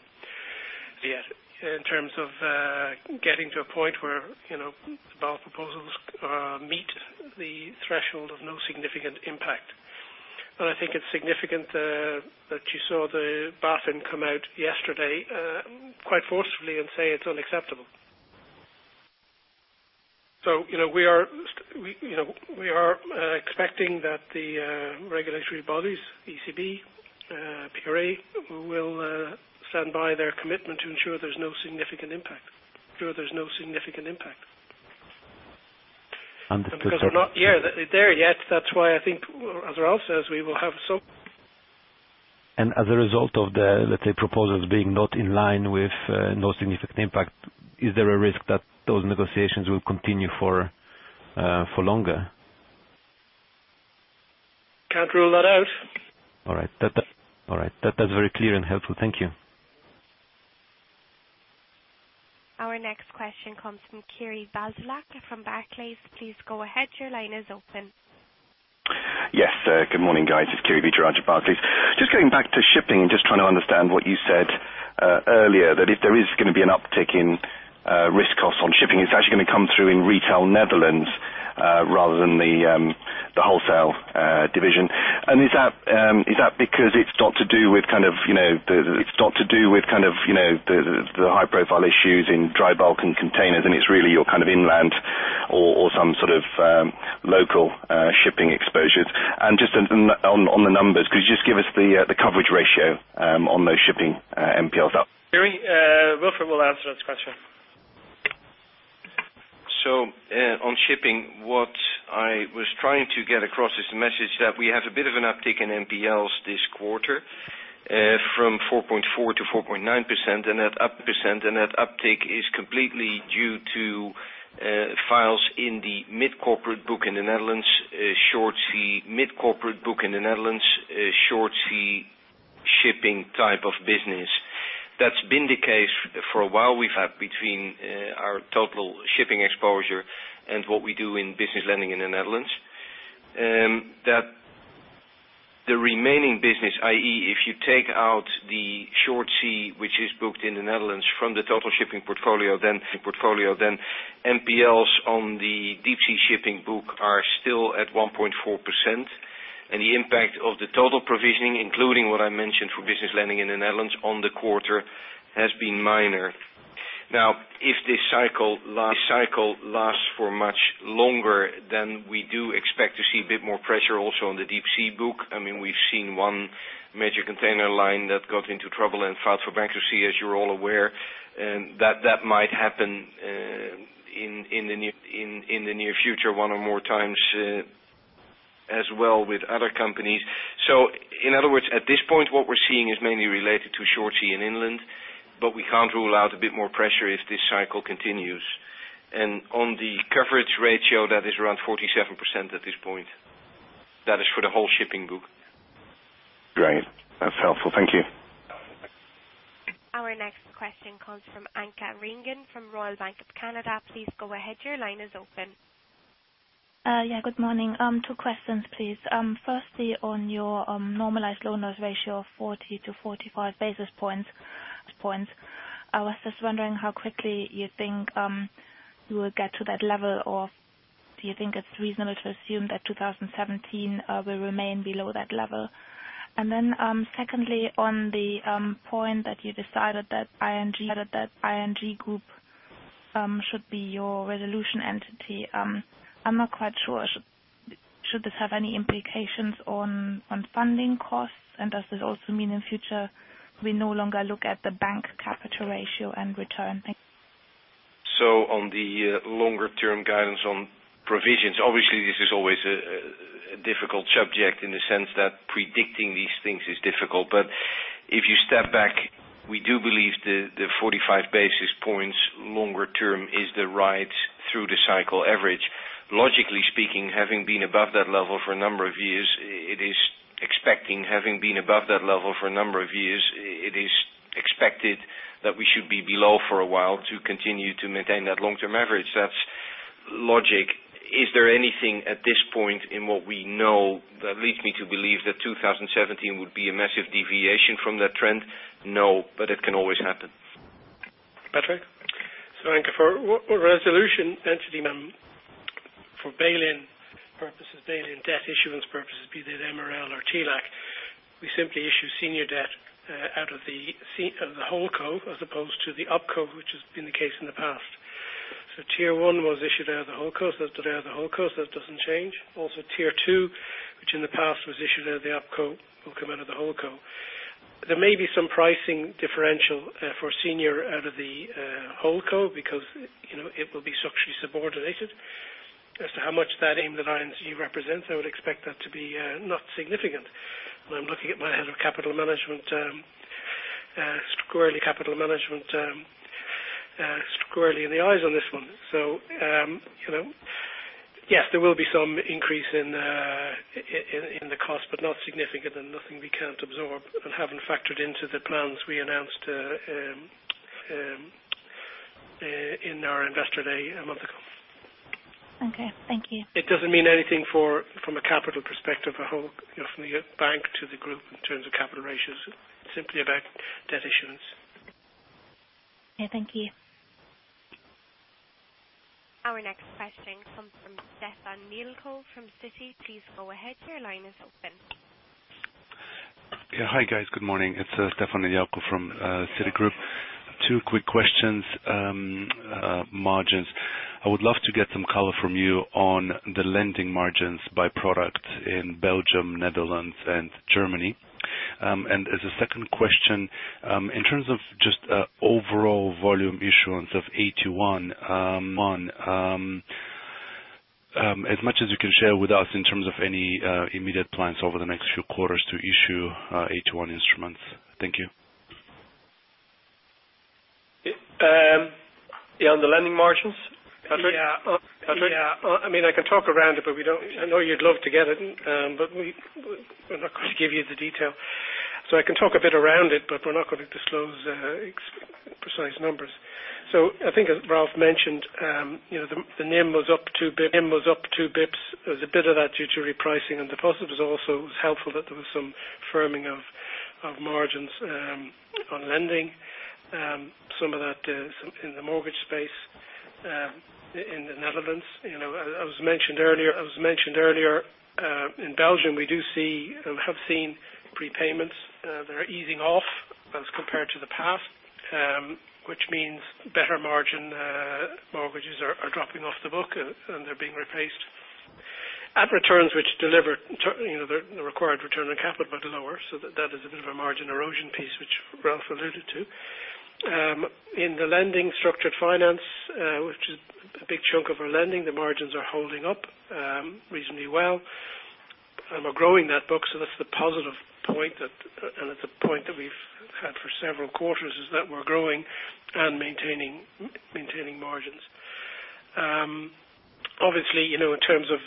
In terms of getting to a point where the Basel proposals meet the threshold of no significant impact. I think it's significant that you saw the BaFin come out yesterday, quite forcefully, and say it's unacceptable. We are expecting that the regulatory bodies, ECB, PRA, will stand by their commitment to ensure there's no significant impact. Because we're not there yet, that's why I think, as Ralph says, we will have some. As a result of the, let's say, proposals being not in line with no significant impact, is there a risk that those negotiations will continue for longer? Can't rule that out. All right. That's very clear and helpful. Thank you. Our next question comes from Kiri Basalak from Barclays. Please go ahead. Your line is open. Yes. Good morning, guys. It is Kiri Basalak, Barclays. Just getting back to shipping and just trying to understand what you said earlier, that if there is going to be an uptick in risk costs on shipping, it is actually going to come through in retail Netherlands rather than the Wholesale Bank. Is that because it is not to do with the high-profile issues in dry bulk and containers, and it is really your inland or some sort of local shipping exposures? Just on the numbers, could you just give us the coverage ratio on those shipping NPLs? Kiri, Wilfred will answer that question. On shipping, what I was trying to get across is the message that we have a bit of an uptick in NPLs this quarter, from 4.4%-4.9%, and that uptick is completely due to files in the mid-corporate book in the Netherlands, short sea shipping type 2 business. That has been the case for a while. We have had between our total shipping exposure and what we do in business lending in the Netherlands. The remaining business, i.e., if you take out the short sea, which is booked in the Netherlands from the total shipping portfolio, then NPLs on the deep sea shipping book are still at 1.4%. The impact of the total provisioning, including what I mentioned for business lending in the Netherlands on the quarter, has been minor. If this cycle lasts for much longer, then we do expect to see a bit more pressure also on the deep sea book. We have seen one major container line that got into trouble and filed for bankruptcy, as you are all aware. That might happen in the near future, one or more times as well with other companies. In other words, at this point, what we are seeing is mainly related to short sea and inland, but we cannot rule out a bit more pressure if this cycle continues. On the coverage ratio, that is around 47% at this point. That is for the whole shipping book. Great. That's helpful. Thank you. Our next question comes from Anke Reingen, from Royal Bank of Canada. Please go ahead. Your line is open. Yeah, good morning. Two questions, please. Firstly, on your normalized loan loss ratio of 40 to 45 basis points. I was just wondering how quickly you think you will get to that level, or do you think it's reasonable to assume that 2017 will remain below that level? Secondly, on the point that you decided that ING Groep should be your resolution entity. I'm not quite sure. Should this have any implications on funding costs, and does this also mean in future, we no longer look at the bank capital ratio and return? Thank you. On the longer-term guidance on provisions, obviously, this is always a difficult subject in the sense that predicting these things is difficult. If you step back, we do believe the 45 basis points longer-term is the right through-the-cycle average. Logically speaking, having been above that level for a number of years, it is expected that we should be below for a while to continue to maintain that long-term average. That's logic. Is there anything at this point in what we know that leads me to believe that 2017 would be a massive deviation from that trend? No, but it can always happen. Patrick. Anke, for resolution entity, for bail-in purposes, bail-in debt issuance purposes, be that MREL or TLAC, we simply issue senior debt out of the holdco as opposed to the opco, which has been the case in the past. Tier 1 was issued out of the holdco, that's today out of the holdco. That doesn't change. Also Tier 2, which in the past was issued out of the opco, will come out of the holdco. There may be some pricing differential for senior out of the holdco because it will be structurally subordinated. As to how much that in the ING represents, I would expect that to be not significant. I'm looking at my head of capital management, squarely capital management, squarely in the eyes on this one. Yes, there will be some increase in the cost, but not significant and nothing we can't absorb and haven't factored into the plans we announced in our Investor Day a month ago. Okay. Thank you. It doesn't mean anything from a capital perspective, from the bank to the group in terms of capital ratios, simply about debt issuance. Yeah, thank you. Our next question comes from Stefan Nedialkov from Citi. Please go ahead. Your line is open. Hi, guys. Good morning. It's Stefan Nedialkov from Citigroup. Two quick questions. Margins. I would love to get some color from you on the lending margins by product in Belgium, Netherlands, and Germany. As a second question, in terms of just overall volume issuance of AT1, as much as you can share with us in terms of any immediate plans over the next few quarters to issue AT1 instruments. Thank you. On the lending margins, Patrick? I mean, I can talk around it, I know you'd love to get it, but we're not going to give you the detail. I can talk a bit around it, but we're not going to disclose precise numbers. I think as Ralph mentioned, the NIM was up two basis points. There was a bit of that due to repricing and deposit was also helpful, that there was some firming of margins on lending. Some of that in the mortgage space in the Netherlands. As mentioned earlier, in Belgium we have seen prepayments. They're easing off as compared to the past, which means better margin mortgages are dropping off the book and they're being replaced. At returns which deliver the required return on capital, but lower. That is a bit of a margin erosion piece, which Ralph alluded to. In the lending structured finance, which is a big chunk of our lending, the margins are holding up reasonably well. We're growing that book, so that's the positive point, and it's a point that we've had for several quarters, is that we're growing and maintaining margins. Obviously, in terms of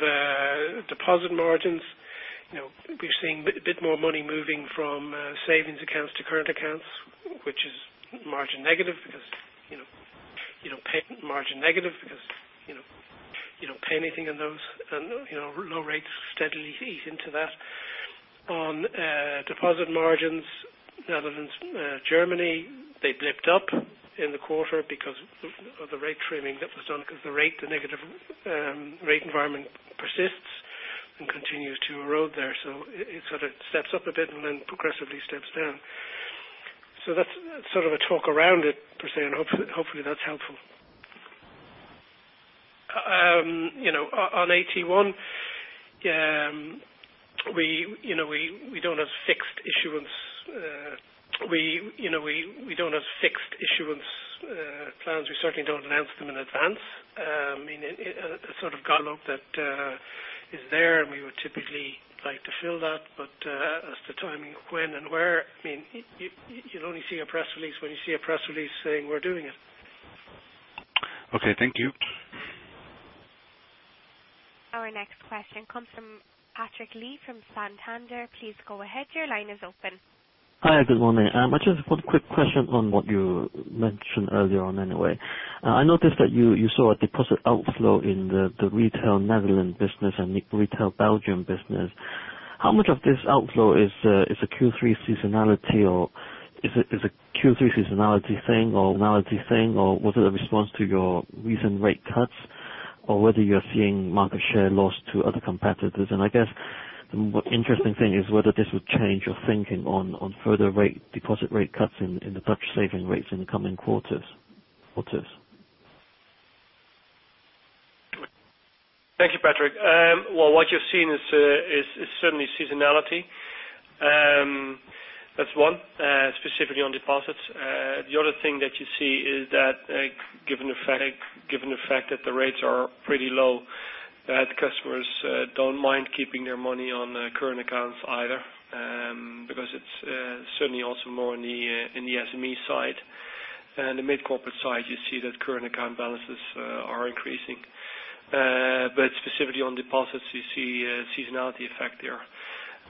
deposit margins, we're seeing a bit more money moving from savings accounts to current accounts, which is margin negative because you don't pay anything in those, and low rates steadily ease into that. On deposit margins, Netherlands, Germany, they blipped up in the quarter because of the rate trimming that was done because the negative rate environment persists and continues to erode there. It sort of steps up a bit and then progressively steps down. That's sort of a talk around it, per se, and hopefully that's helpful. On AT1, we don't have fixed issuance plans. We certainly don't announce them in advance. I mean, a sort of gap look that is there, and we would typically like to fill that. As to timing of when and where, I mean, you'll only see a press release when you see a press release saying we're doing it. Okay. Thank you. Our next question comes from Patrick Lee from Santander. Please go ahead. Your line is open. Hi. Good morning. I just have one quick question on what you mentioned earlier on anyway. I noticed that you saw a deposit outflow in the retail Netherlands business and retail Belgium business. How much of this outflow is a Q3 seasonality thing, or was it a response to your recent rate cuts, or whether you're seeing market share loss to other competitors? I guess the interesting thing is whether this would change your thinking on further deposit rate cuts in the Dutch saving rates in the coming quarters. Thank you, Patrick. Well, what you're seeing is certainly seasonality. That's one, specifically on deposits. The other thing that you see is that given the fact that the rates are pretty low, that customers don't mind keeping their money on current accounts either, because it's certainly also more in the SME side and the mid-corporate side, you see that current account balances are increasing. Specifically on deposits, you see a seasonality effect there.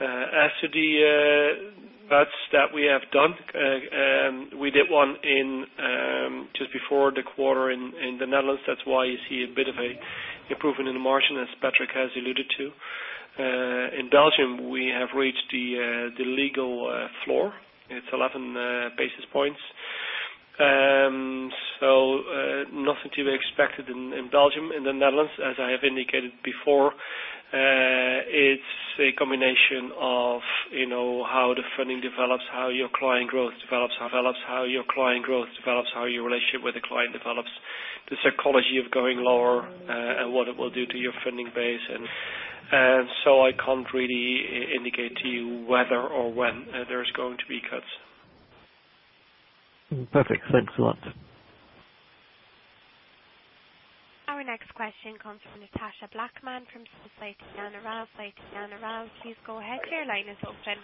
As to the cuts that we have done, we did one just before the quarter in the Netherlands. That's why you see a bit of a improvement in the margin, as Patrick has alluded to. In Belgium, we have reached the legal floor. It's 11 basis points. Nothing to be expected in Belgium. In the Netherlands, as I have indicated before It's a combination of how the funding develops, how your client growth develops, how your relationship with the client develops, the psychology of going lower, and what it will do to your funding base. I can't really indicate to you whether or when there's going to be cuts. Perfect. Thanks a lot. Our next question comes from Natasha Blackman from Citigroup. Natasha Blackman, please go ahead. Your line is open.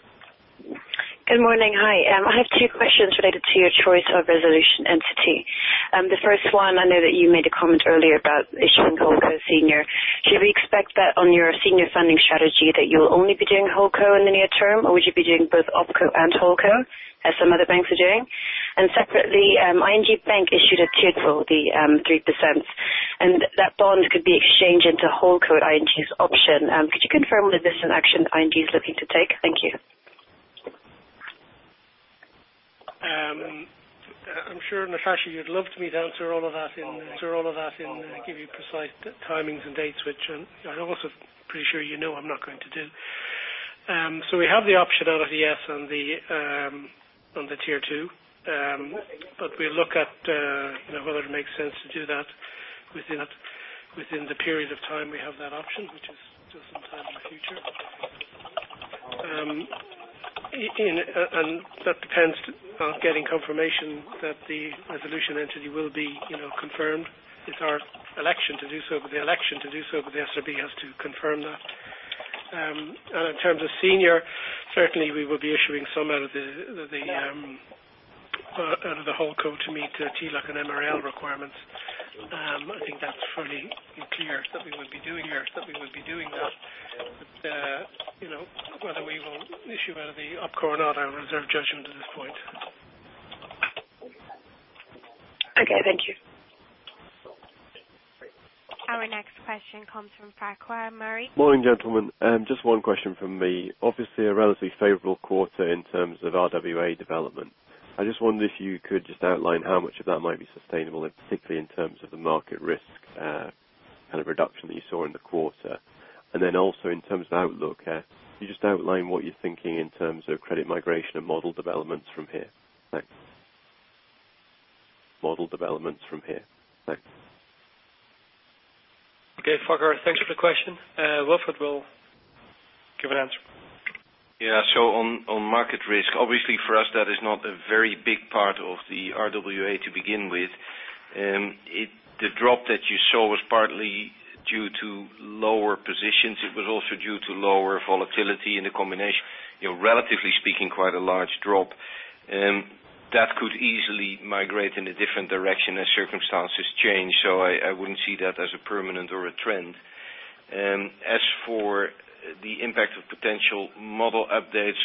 Good morning. Hi. I have two questions related to your choice of resolution entity. The first one, I know that you made a comment earlier about issuing CoCo senior. Should we expect that on your senior funding strategy, that you'll only be doing HoldCo in the near term, or would you be doing both OpCo and HoldCo, as some other banks are doing? Separately, ING Bank issued [inaudible] the 3%, and that bond could be exchanged into HoldCo at ING's option. Could you confirm that this is an action ING is looking to take? Thank you. I'm sure, Natasha, you'd love me to answer all of that and give you precise timings and dates, which I'm also pretty sure you know I'm not going to do. We have the optionality, yes, on the Tier 2. We'll look at whether it makes sense to do that within the period of time we have that option, which is still some time in the future. That depends on getting confirmation that the resolution entity will be confirmed. It's our election to do so, but the SRB has to confirm that. In terms of senior, certainly we will be issuing some out of the HoldCo to meet TLAC and MREL requirements. I think that's fully clear that we will be doing that. Whether we will issue out of the OpCo or not, I will reserve judgment at this point. Okay, thank you. Our next question comes from Farquhar Murray. Morning, gentlemen. Just one question from me. Obviously, a relatively favorable quarter in terms of RWA development. I just wondered if you could just outline how much of that might be sustainable, and particularly in terms of the market risk reduction that you saw in the quarter. Also in terms of outlook, could you just outline what you're thinking in terms of credit migration and model developments from here? Thanks. Model developments from here. Thanks. Okay, Farquhar, thanks for the question. Wilfred will give an answer. Yeah. On market risk, obviously for us, that is not a very big part of the RWA to begin with. The drop that you saw was partly due to lower positions. It was also due to lower volatility and the combination, relatively speaking, quite a large drop. That could easily migrate in a different direction as circumstances change. I wouldn't see that as permanent or a trend. As for the impact of potential model updates,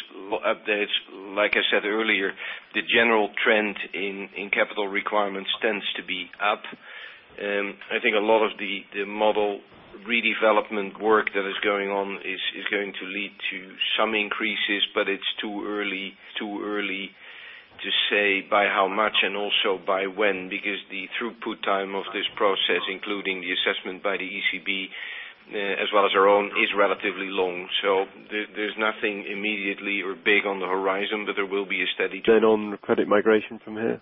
like I said earlier, the general trend in capital requirements tends to be up. I think a lot of the model redevelopment work that is going on is going to lead to some increases, but it's too early to say by how much and also by when, because the throughput time of this process, including the assessment by the ECB as well as our own, is relatively long. There's nothing immediately or big on the horizon, but there will be a steady- On credit migration from here?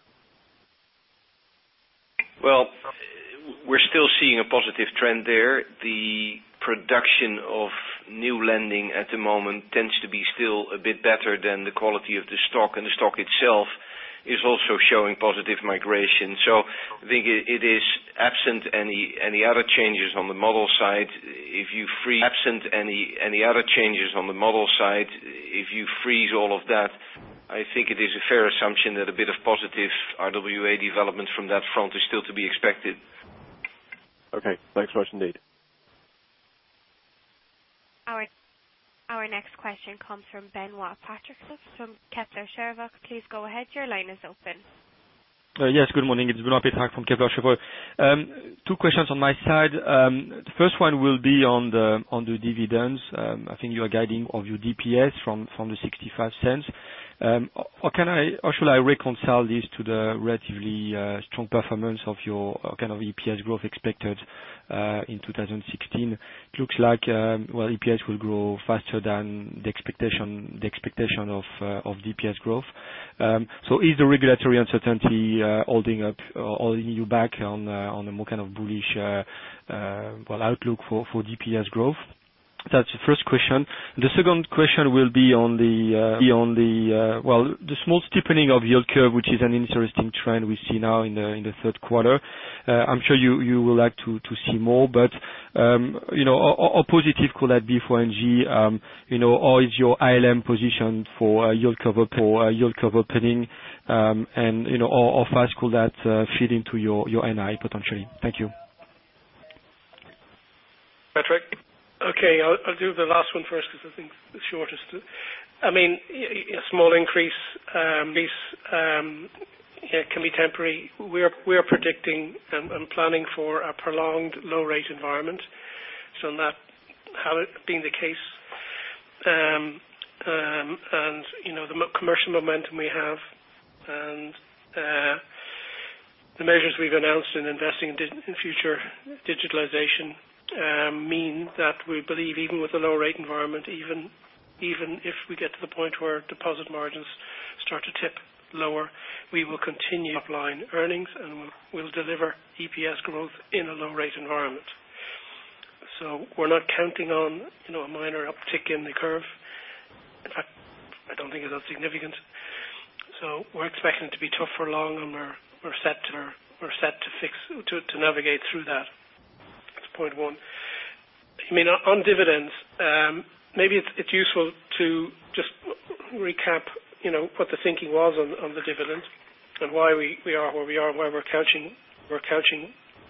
Well, we're still seeing a positive trend there. The production of new lending at the moment tends to be still a bit better than the quality of the stock, and the stock itself is also showing positive migration. I think it is absent any other changes on the model side. If you freeze all of that, I think it is a fair assumption that a bit of positive RWA development from that front is still to be expected. Thanks very much indeed. Our next question comes from Benoit Petrarque from Kepler Cheuvreux. Please go ahead. Your line is open. Good morning. It's Benoit Petrarque from Kepler Cheuvreux. Two questions on my side. The first one will be on the dividends. I think you are guiding of your DPS from the 0.65. How should I reconcile this to the relatively strong performance of your kind of EPS growth expected in 2016? It looks like EPS will grow faster than the expectation of DPS growth. Is the regulatory uncertainty holding you back on a more kind of bullish outlook for DPS growth? That's the first question. The second question will be on the small steepening of yield curve, which is an interesting trend we see now in the third quarter. I'm sure you will like to see more, but how positive could that be for ING? How is your ALM position for yield curve opening, and how fast could that feed into your NI, potentially? Thank you. Benoit. I'll do the last one first because I think it's the shortest. A small increase can be temporary. We are predicting and planning for a prolonged low-rate environment. That being the case, and the commercial momentum we have and The measures we've announced in investing in future digitalization mean that we believe even with the low rate environment, even if we get to the point where deposit margins start to tip lower, we will continue applying earnings and we'll deliver EPS growth in a low rate environment. We're not counting on a minor uptick in the curve. In fact, I don't think it's that significant. We're expecting it to be tough for long, and we're set to navigate through that. That's point one. On dividends, maybe it's useful to just recap what the thinking was on the dividend and why we are where we are, why we're couching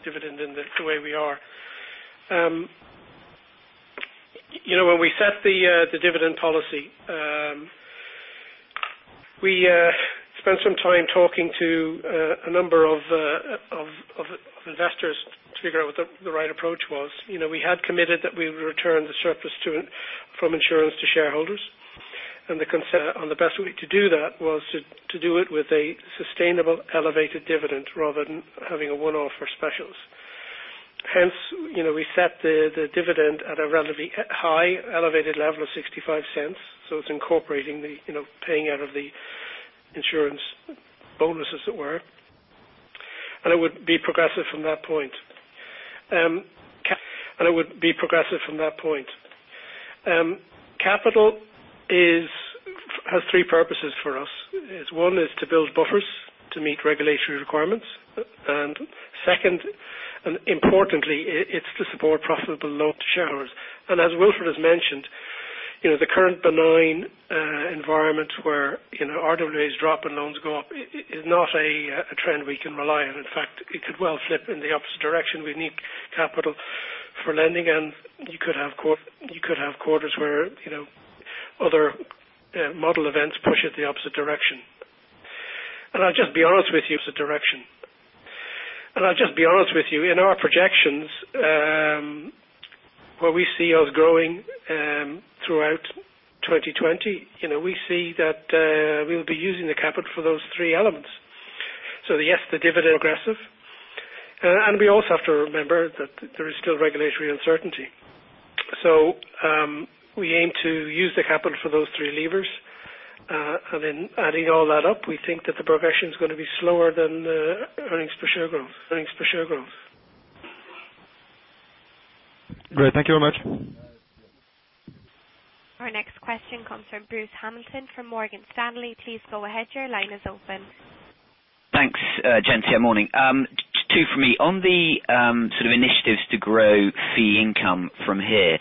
dividend in the way we are. When we set the dividend policy, we spent some time talking to a number of investors to figure out what the right approach was. We had committed that we would return the surplus from insurance to shareholders. The best way to do that was to do it with a sustainable elevated dividend rather than having a one-off for specials. Hence, we set the dividend at a relatively high elevated level of 0.65. It's incorporating the paying out of the insurance bonus, as it were, and it would be progressive from that point. Capital has three purposes for us. One is to build buffers to meet regulatory requirements, and second, and importantly, it's to support profitable loans to shareholders. As Wilfred has mentioned, the current benign environment where RWAs drop and loans go up is not a trend we can rely on. In fact, it could well flip in the opposite direction. We need capital for lending, and you could have quarters where other model events push it the opposite direction. I'll just be honest with you, in our projections, where we see us growing throughout 2020, we see that we'll be using the capital for those three elements. Yes, the dividend progressive. We also have to remember that there is still regulatory uncertainty. We aim to use the capital for those three levers. Adding all that up, we think that the progression is going to be slower than the earnings per share growth. Great. Thank you very much. Our next question comes from Bruce Hamilton from Morgan Stanley. Please go ahead. Your line is open. Thanks, gents. Morning. Two from me. On the sort of initiatives to grow fee income from here,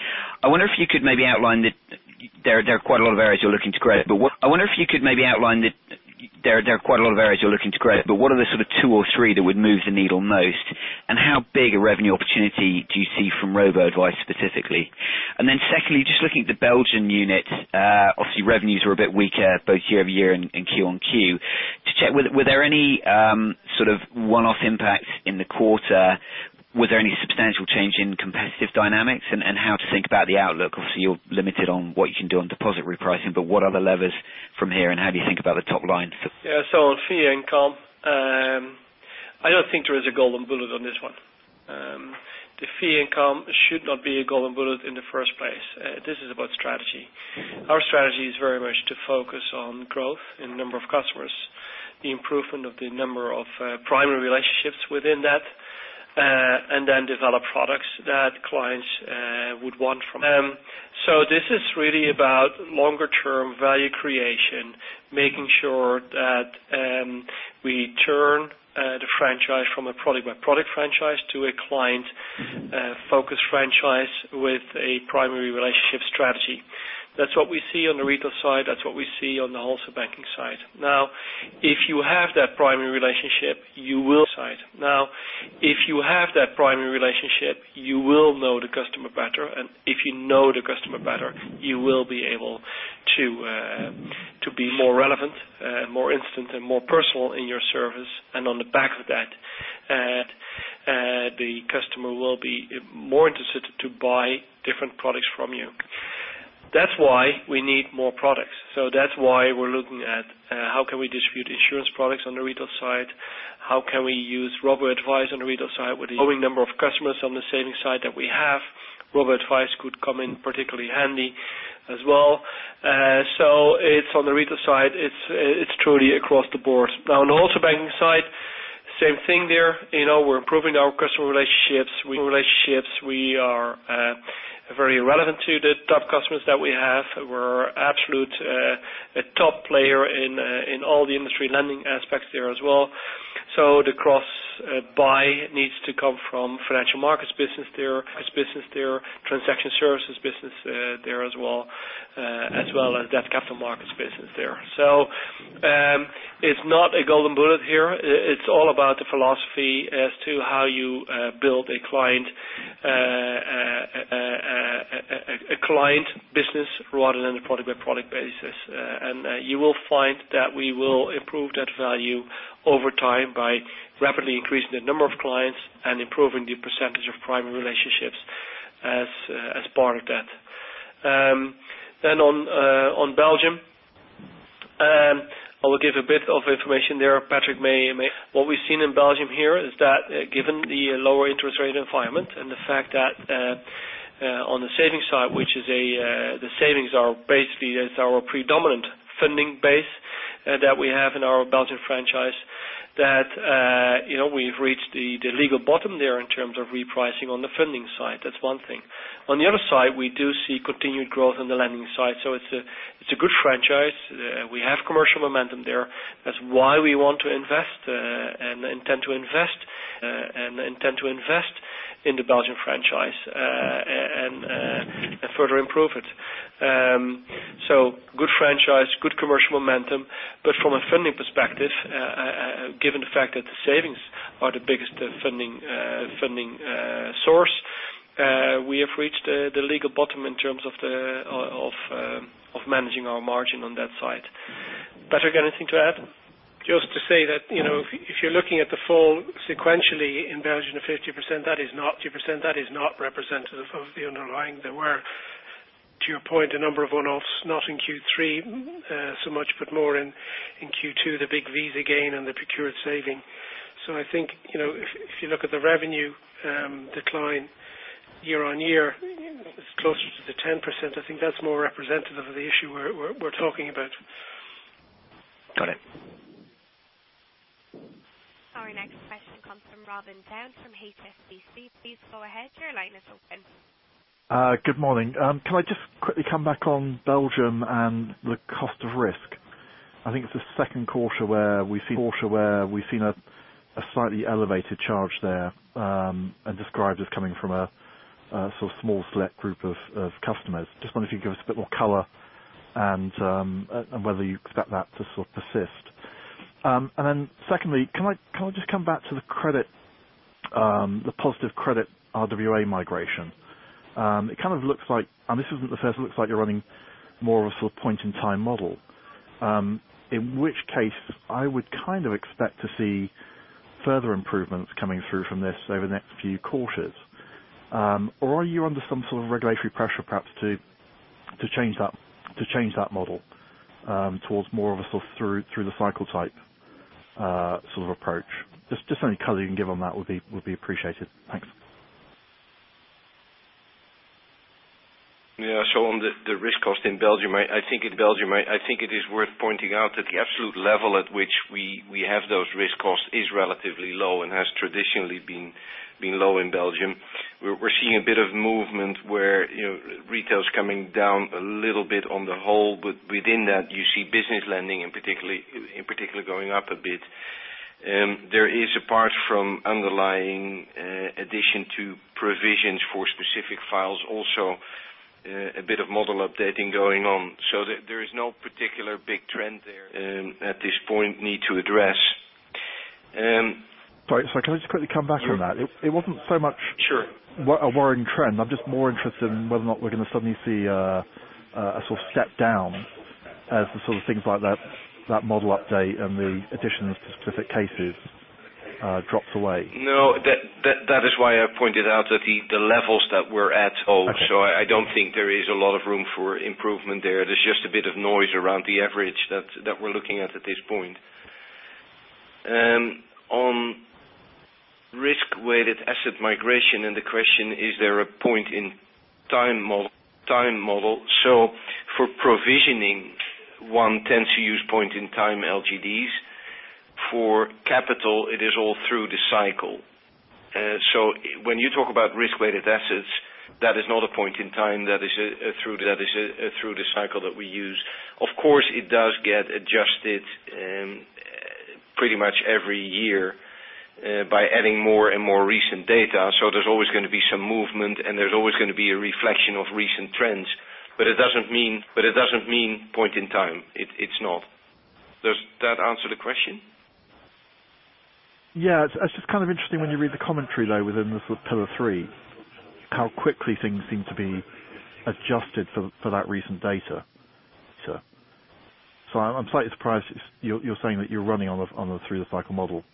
there are quite a lot of areas you're looking to grow, but what are the sort of two or three that would move the needle most, and how big a revenue opportunity do you see from robo-advice specifically? Secondly, just looking at the Belgian unit, obviously revenues were a bit weaker both year-over-year and Q on Q. To check, were there any sort of one-off impacts in the quarter? Was there any substantial change in competitive dynamics? How to think about the outlook? Obviously, you're limited on what you can do on deposit repricing, but what are the levers from here, and how do you think about the top line? On fee income, I don't think there is a golden bullet on this one. The fee income should not be a golden bullet in the first place. This is about strategy. Our strategy is very much to focus on growth in number of customers, the improvement of the number of primary relationships within that, develop products that clients would want. This is really about longer-term value creation, making sure that we turn the franchise from a product-by-product franchise to a client-focused franchise with a primary relationship strategy. That's what we see on the retail side. That's what we see on the wholesale banking side. If you have that primary relationship, you will know the customer better, and if you know the customer better, you will be able to be more relevant, more instant, and more personal in your service. On the back of that, the customer will be more interested to buy different products from you. That's why we need more products. That's why we're looking at how can we distribute insurance products on the retail side. How can we use robo-advice on the retail side with the growing number of customers on the saving side that we have. Robo-advice could come in particularly handy as well. It's on the retail side, it's truly across the board. On the wholesale banking side, same thing there. We're improving our customer relationships. We are very relevant to the top customers that we have, who are absolute top player in all the industry lending aspects there as well. The cross-buy needs to come from financial markets business there, transaction services business there as well, as well as that capital markets business there. It's not a golden bullet here. It's all about the philosophy as to how you build a client business rather than a product-by-product basis. You will find that we will improve that value over time by rapidly increasing the number of clients and improving the percentage of primary relationships as part of that. On Belgium I will give a bit of information there. What we've seen in Belgium here is that given the lower interest rate environment and the fact that on the savings side, which the savings are basically is our predominant funding base that we have in our Belgian franchise, that we've reached the legal bottom there in terms of repricing on the funding side. That's one thing. On the other side, we do see continued growth on the lending side. It's a good franchise. We have commercial momentum there. That's why we want to invest and intend to invest in the Belgian franchise, and further improve it. Good franchise, good commercial momentum. From a funding perspective, given the fact that the savings are the biggest funding source, we have reached the legal bottom in terms of managing our margin on that side. Patrick, anything to add? Just to say that, if you're looking at the fall sequentially in Belgium of 50%, that is not representative of the underlying. There were, to your point, a number of one-offs, not in Q3 so much, but more in Q2, the big Visa gain and the accrued saving. I think, if you look at the revenue decline year-over-year, it's closer to the 10%. I think that's more representative of the issue we're talking about. Got it. Our next question comes from Robin Down from HSBC. Please go ahead. Your line is open. Good morning. Can I just quickly come back on Belgium and the cost of risk? I think it's the second quarter where we've seen a slightly elevated charge there, and described as coming from a small select group of customers. Just wonder if you can give us a bit more color, and whether you expect that to persist. Then secondly, can I just come back to the positive credit RWA migration. It kind of looks like, and this isn't the first, it looks like you're running more of a point-in-time model. In which case, I would kind of expect to see further improvements coming through from this over the next few quarters. Are you under some sort of regulatory pressure, perhaps to change that model towards more of a sort of through the cycle type sort of approach? Just any color you can give on that would be appreciated. Thanks. Yeah. On the risk cost in Belgium, I think it is worth pointing out that the absolute level at which we have those risk costs is relatively low and has traditionally been low in Belgium. We're seeing a bit of movement where retail is coming down a little bit on the whole, but within that, you see business lending in particular going up a bit. There is, apart from underlying addition to provisions for specific files, also a bit of model updating going on. There is no particular big trend there at this point need to address. Sorry, can I just quickly come back on that? Sure. It wasn't so much a worrying trend. I'm just more interested in whether or not we're going to suddenly see a sort of step down as the sort of things like that model update and the addition of specific cases drops away. That is why I pointed out the levels that we're at. Okay. I don't think there is a lot of room for improvement there. There's just a bit of noise around the average that we're looking at at this point. On risk-weighted asset migration, and the question, is there a point-in-time model. For provisioning, one tends to use point-in-time LGDs. For capital, it is all through the cycle. When you talk about risk-weighted assets, that is not a point in time, that is through the cycle that we use. Of course, it does get adjusted pretty much every year by adding more and more recent data. There's always going to be some movement, and there's always going to be a reflection of recent trends. It doesn't mean point in time. It's not. Does that answer the question? It's just kind of interesting when you read the commentary, though, within the Pillar 3, how quickly things seem to be adjusted for that recent data. I'm slightly surprised you're saying that you're running on a through the cycle model,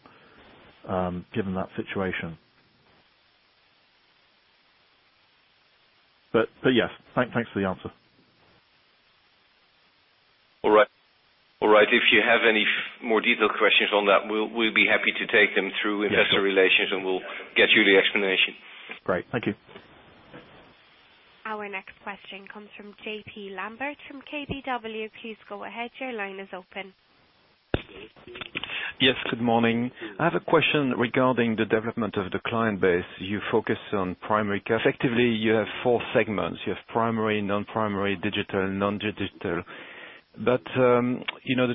given that situation. Yes. Thanks for the answer. All right. If you have any more detailed questions on that, we'll be happy to take them through investor relations, and we'll get you the explanation. Great. Thank you. Our next question comes from J.P. Lambert from KBW. Please go ahead. Your line is open. Yes, good morning. I have a question regarding the development of the client base. You focus on primary core. Effectively, you have four segments. You have primary, non-primary, digital, non-digital. The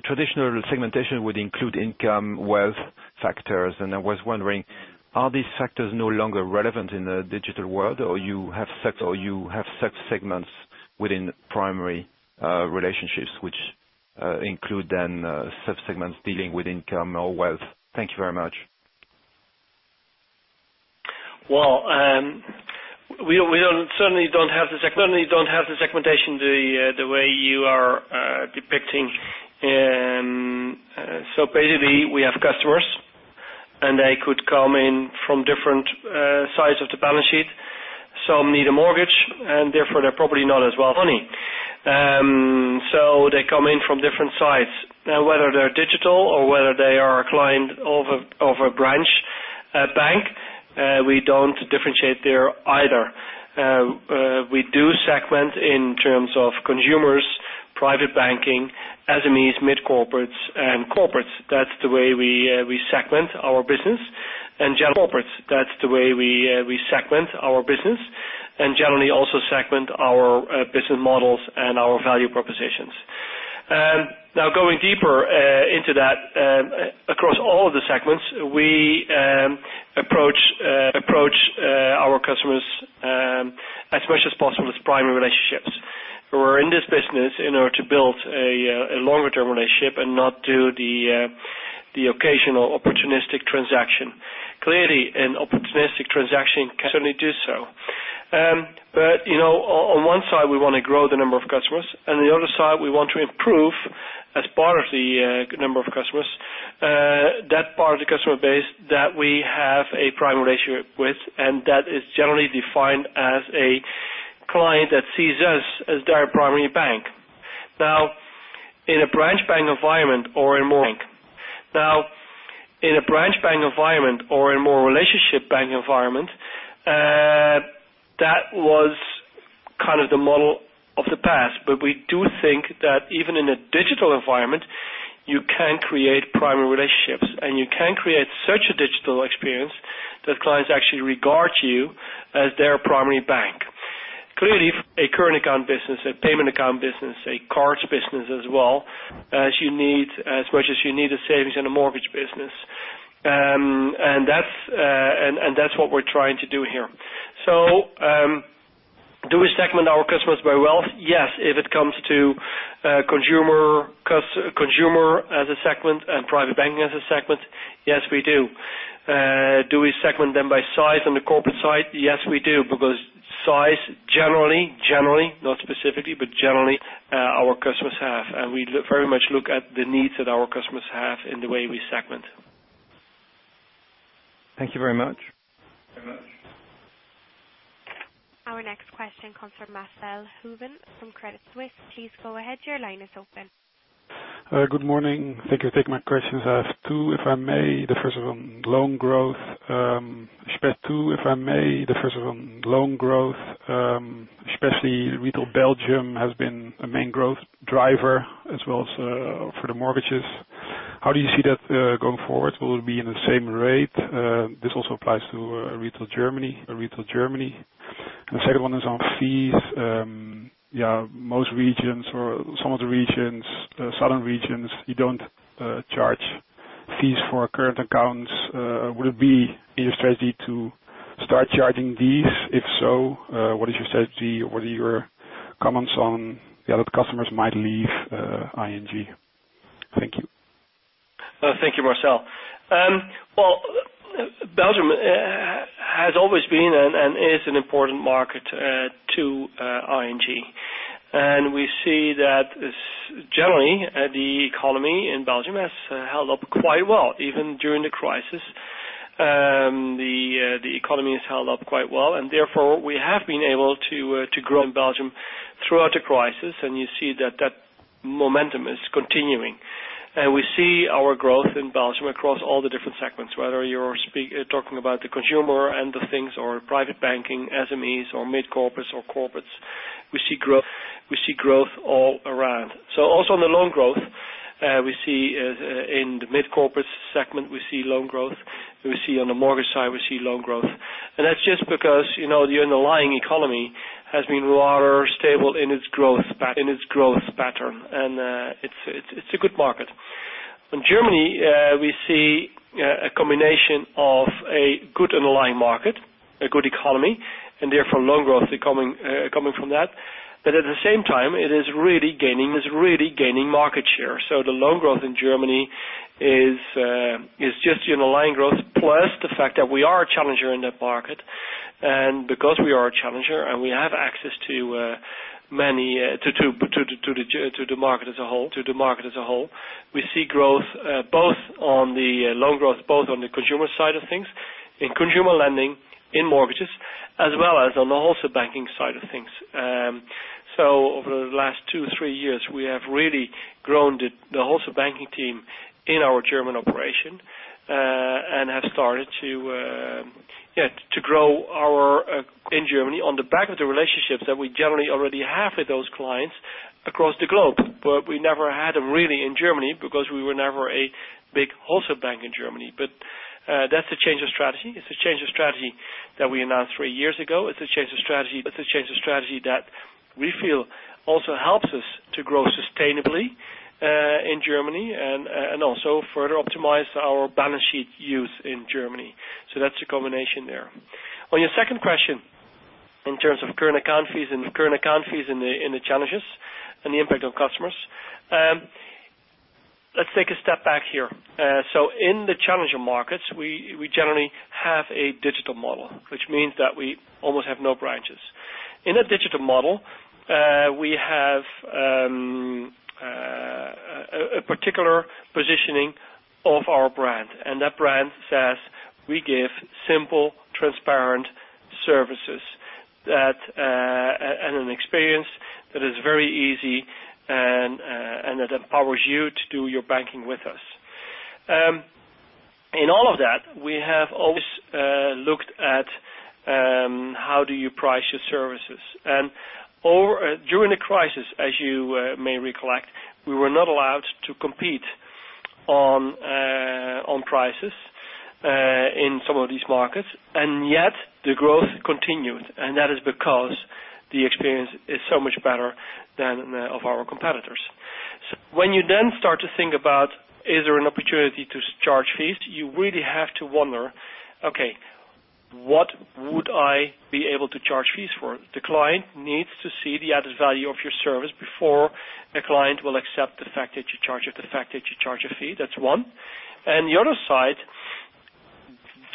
traditional segmentation would include income, wealth factors. I was wondering, are these factors no longer relevant in the digital world, or you have sub-segments within primary relationships which include then sub-segments dealing with income or wealth? Thank you very much. Well, we certainly don't have the segmentation the way you are depicting. Basically, we have customers. They could come in from different sides of the balance sheet. Some need a mortgage. Therefore, they're probably not as wealthy. They come in from different sides. Whether they're digital or whether they are a client of a branch bank, we don't differentiate there either. We do segment in terms of consumers, private banking, SMEs, mid corporates, and corporates. That's the way we segment our business and generally also segment our business models and our value propositions. Going deeper into that, across all of the segments, we approach our customers as much as possible as primary relationships. We're in this business in order to build a longer-term relationship and not do the occasional opportunistic transaction. Clearly, an opportunistic transaction can certainly do so. On one side, we want to grow the number of customers. The other side, we want to improve as part of the number of customers, that part of the customer base that we have a primary relationship with. That is generally defined as a client that sees us as their primary bank. In a branch bank environment or in more relationship bank environment, that was the model of the past. We do think that even in a digital environment, you can create primary relationships. You can create such a digital experience that clients actually regard you as their primary bank. Clearly, a current account business, a payment account business, a cards business as well, as much as you need a savings and a mortgage business. That's what we're trying to do here. Do we segment our customers by wealth? Yes. If it comes to consumer as a segment and private banking as a segment, yes, we do. Do we segment them by size on the corporate side? Yes, we do, because size generally, not specifically, but generally our customers have. We very much look at the needs that our customers have in the way we segment. Thank you very much. Our next question comes from Marcel Hooven from Credit Suisse. Please go ahead. Your line is open. Good morning. Thank you. Taking my questions. I have two, if I may. The first one, loan growth, especially retail Belgium has been a main growth driver as well as for the mortgages. How do you see that going forward? Will it be in the same rate? This also applies to retail Germany. The second one is on fees. Most regions or some of the regions, southern regions, you don't charge fees for current accounts. Would it be in your strategy to start charging these? If so, what is your strategy? What are your comments on the other customers might leave ING? Thank you. Thank you, Marcel. Well, Belgium has always been and is an important market to ING. We see that generally, the economy in Belgium has held up quite well, even during the crisis. The economy has held up quite well, therefore, we have been able to grow in Belgium throughout the crisis, and you see that that momentum is continuing. We see our growth in Belgium across all the different segments, whether you're talking about the consumer and the things or private banking, SMEs or mid corporates or corporates. We see growth all around. Also on the loan growth, we see in the mid corporate segment, we see loan growth. We see on the mortgage side, we see loan growth. That's just because the underlying economy has been rather stable in its growth pattern. It's a good market. In Germany, we see a combination of a good underlying market, a good economy, and therefore loan growth coming from that. At the same time, it is really gaining market share. The loan growth in Germany is just underlying growth plus the fact that we are a challenger in that market. Because we are a challenger and we have access to the market as a whole, we see growth both on the loan growth, both on the consumer side of things, in consumer lending, in mortgages, as well as on the Wholesale Bank side of things. Over the last two, three years, we have really grown the Wholesale Bank team in our German operation and have started to grow our in Germany on the back of the relationships that we generally already have with those clients across the globe. We never had them really in Germany because we were never a big Wholesale Bank in Germany. That's a change of strategy. It's a change of strategy that we announced three years ago. It's a change of strategy that we feel also helps us to grow sustainably in Germany and also further optimize our balance sheet use in Germany. That's the combination there. On your second question, in terms of current account fees and the challenges and the impact on customers. Let's take a step back here. In the challenger markets, we generally have a digital model, which means that we almost have no branches. In a digital model, we have a particular positioning of our brand, and that brand says we give simple, transparent services and an experience that is very easy and that empowers you to do your banking with us. In all of that, we have always looked at how do you price your services. During the crisis, as you may recollect, we were not allowed to compete on prices in some of these markets, and yet the growth continued. That is because the experience is so much better than of our competitors. When you then start to think about is there an opportunity to charge fees, you really have to wonder, okay, what would I be able to charge fees for? The client needs to see the added value of your service before the client will accept the fact that you charge a fee. That's one. The other side,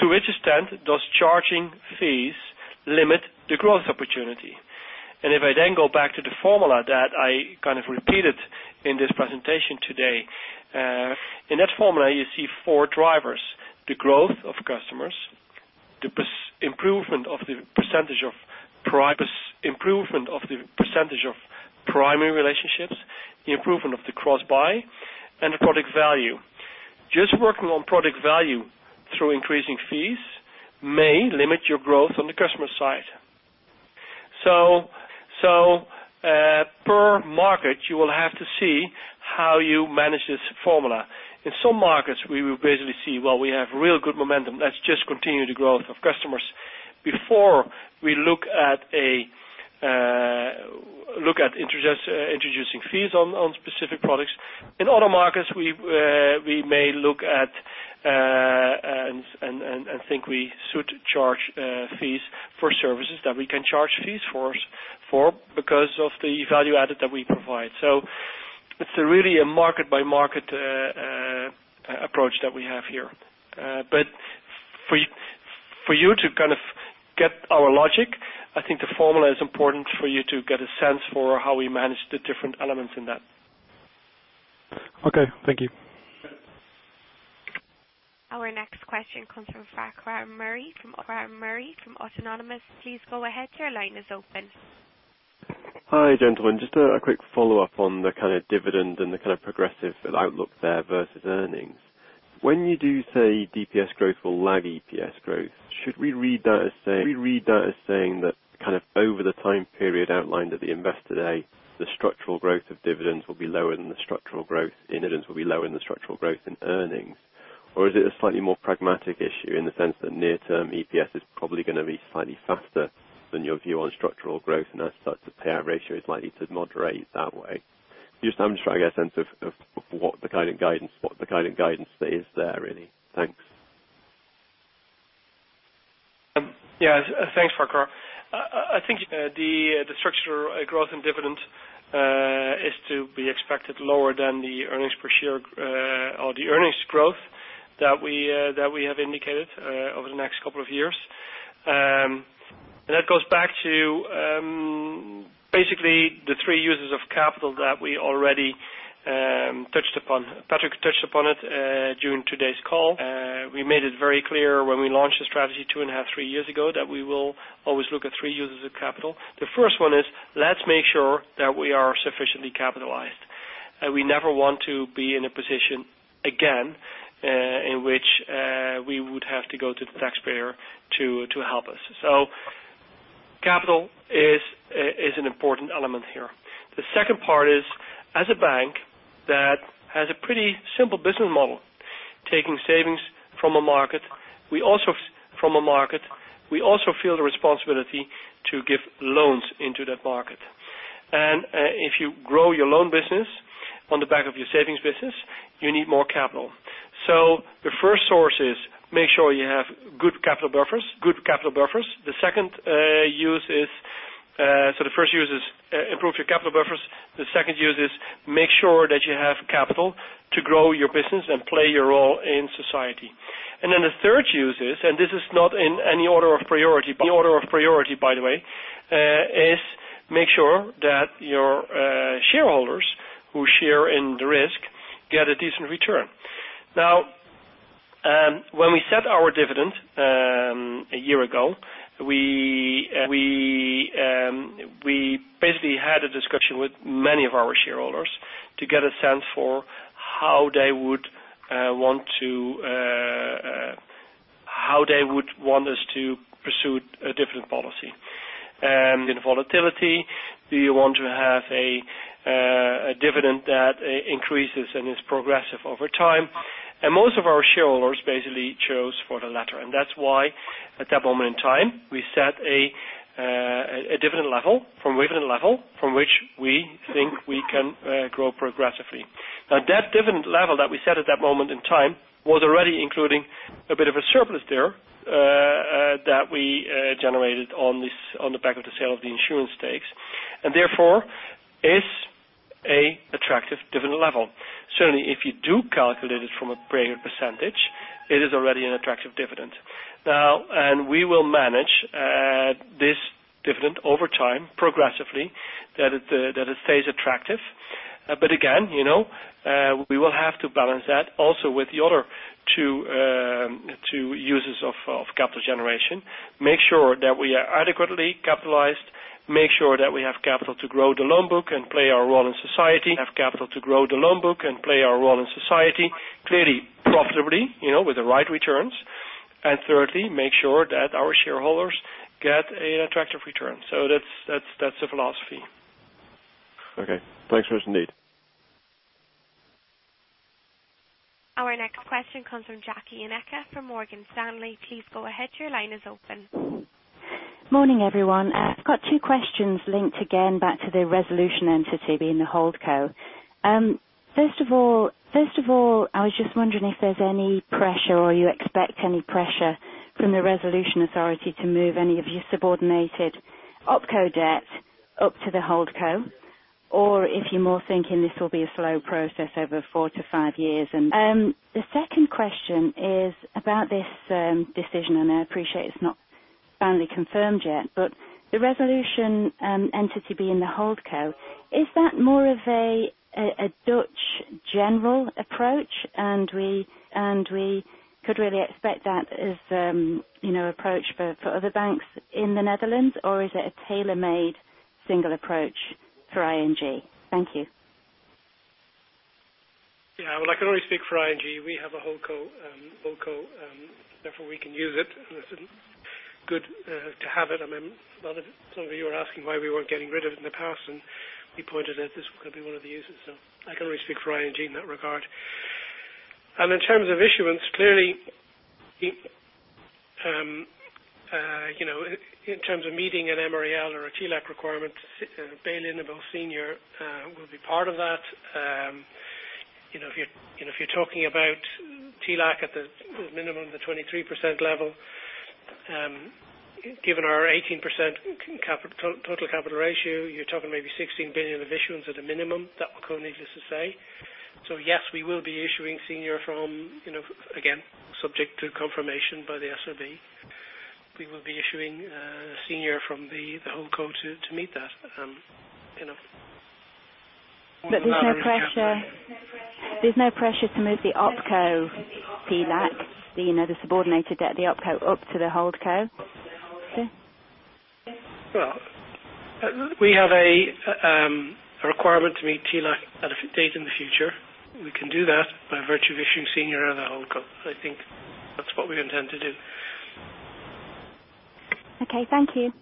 to which extent does charging fees limit the growth opportunity? If I then go back to the formula that I kind of repeated in this presentation today, in that formula, you see four drivers: the growth of customers, the improvement of the percentage of primary relationships, the improvement of the cross-buy, and the product value. Just working on product value through increasing fees may limit your growth on the customer side. Per market, you will have to see how you manage this formula. In some markets, we will basically see, well, we have real good momentum. Let's just continue the growth of customers before we look at introducing fees on specific products. In other markets, we may look at and think we should charge fees for services that we can charge fees for because of the value added that we provide. It's really a market-by-market approach that we have here. For you to kind of get our logic, I think the formula is important for you to get a sense for how we manage the different elements in that. Okay. Thank you. Our next question comes from Farquhar Murray from Autonomous. Please go ahead. Your line is open. Hi, gentlemen. Just a quick follow-up on the kind of dividend and the kind of progressive outlook there versus earnings. When you do say DPS growth will lag EPS growth, should we read that as saying that kind of over the time period outlined at the Investor Day, the structural growth of dividends will be lower than the structural growth in earnings? Is it a slightly more pragmatic issue in the sense that near term, EPS is probably going to be slightly faster than your view on structural growth, and thus, the payout ratio is likely to moderate that way? Just I'm trying to get a sense of what the kind of guidance that is there, really. Thanks. Yeah. Thanks, Farquhar. I think the structural growth in dividend is to be expected lower than the earnings per share or the earnings growth that we have indicated over the next couple of years. That goes back to basically the three uses of capital that we already touched upon. Patrick touched upon it during today's call. We made it very clear when we launched the strategy two and a half, three years ago, that we will always look at three uses of capital. The first one is, let's make sure that we are sufficiently capitalized. We never want to be in a position again, in which we would have to go to the taxpayer to help us. Capital is an important element here. The second part is, as a bank that has a pretty simple business model, taking savings from a market, we also feel the responsibility to give loans into that market. If you grow your loan business on the back of your savings business, you need more capital. The first source is make sure you have good capital buffers. So the first use is improve your capital buffers. The second use is make sure that you have capital to grow your business and play your role in society. The third use is, and this is not in any order of priority, by the way, is make sure that your shareholders who share in the risk get a decent return. When we set our dividend a year ago, we basically had a discussion with many of our shareholders to get a sense for how they would want us to pursue a different policy. In volatility, do you want to have a dividend that increases and is progressive over time? Most of our shareholders basically chose for the latter. That's why at that moment in time, we set a dividend level from which we think we can grow progressively. That dividend level that we set at that moment in time was already including a bit of a surplus there that we generated on the back of the sale of the insurance stakes. Therefore, A attractive dividend level. Certainly, if you do calculate it from a percentage, it is already an attractive dividend. We will manage this dividend over time progressively that it stays attractive. Again, we will have to balance that also with the other two uses of capital generation. Make sure that we are adequately capitalized, make sure that we have capital to grow the loan book and play our role in society, clearly, profitably, with the right returns. Thirdly, make sure that our shareholders get an attractive return. That's the philosophy. Okay. Thanks very much indeed. Our next question comes from Jackie Ineke from Morgan Stanley. Please go ahead. Your line is open. Morning, everyone. I've got two questions linked again back to the resolution entity being the holdco. First of all, I was just wondering if there's any pressure or you expect any pressure from the resolution authority to move any of your subordinated opco debt up to the holdco, or if you're more thinking this will be a slow process over four to five years. The second question is about this decision, and I appreciate it's not finally confirmed yet, but the resolution entity being the holdco, is that more of a Dutch general approach, and we could really expect that as approach for other banks in the Netherlands, or is it a tailor-made single approach for ING? Thank you. Yeah. Well, I can only speak for ING. We have a holdco, therefore we can use it, and this is good to have it. Some of you were asking why we weren't getting rid of it in the past, and we pointed out this was going to be one of the uses. I can only speak for ING in that regard. In terms of issuance, clearly in terms of meeting an MREL or a TLAC requirement, bail-in of all senior will be part of that. If you're talking about TLAC at the minimum, the 23% level, given our 18% total capital ratio, you're talking maybe 16 billion of issuance at a minimum. That would go needless to say. Yes, we will be issuing senior from, again, subject to confirmation by the SRB. We will be issuing senior from the holdco to meet that. There's no pressure to move the opco TLAC, the subordinated debt, the opco up to the holdco? Well, we have a requirement to meet TLAC at a date in the future. We can do that by virtue of issuing senior out of the holdco. I think that's what we intend to do. Okay, thank you.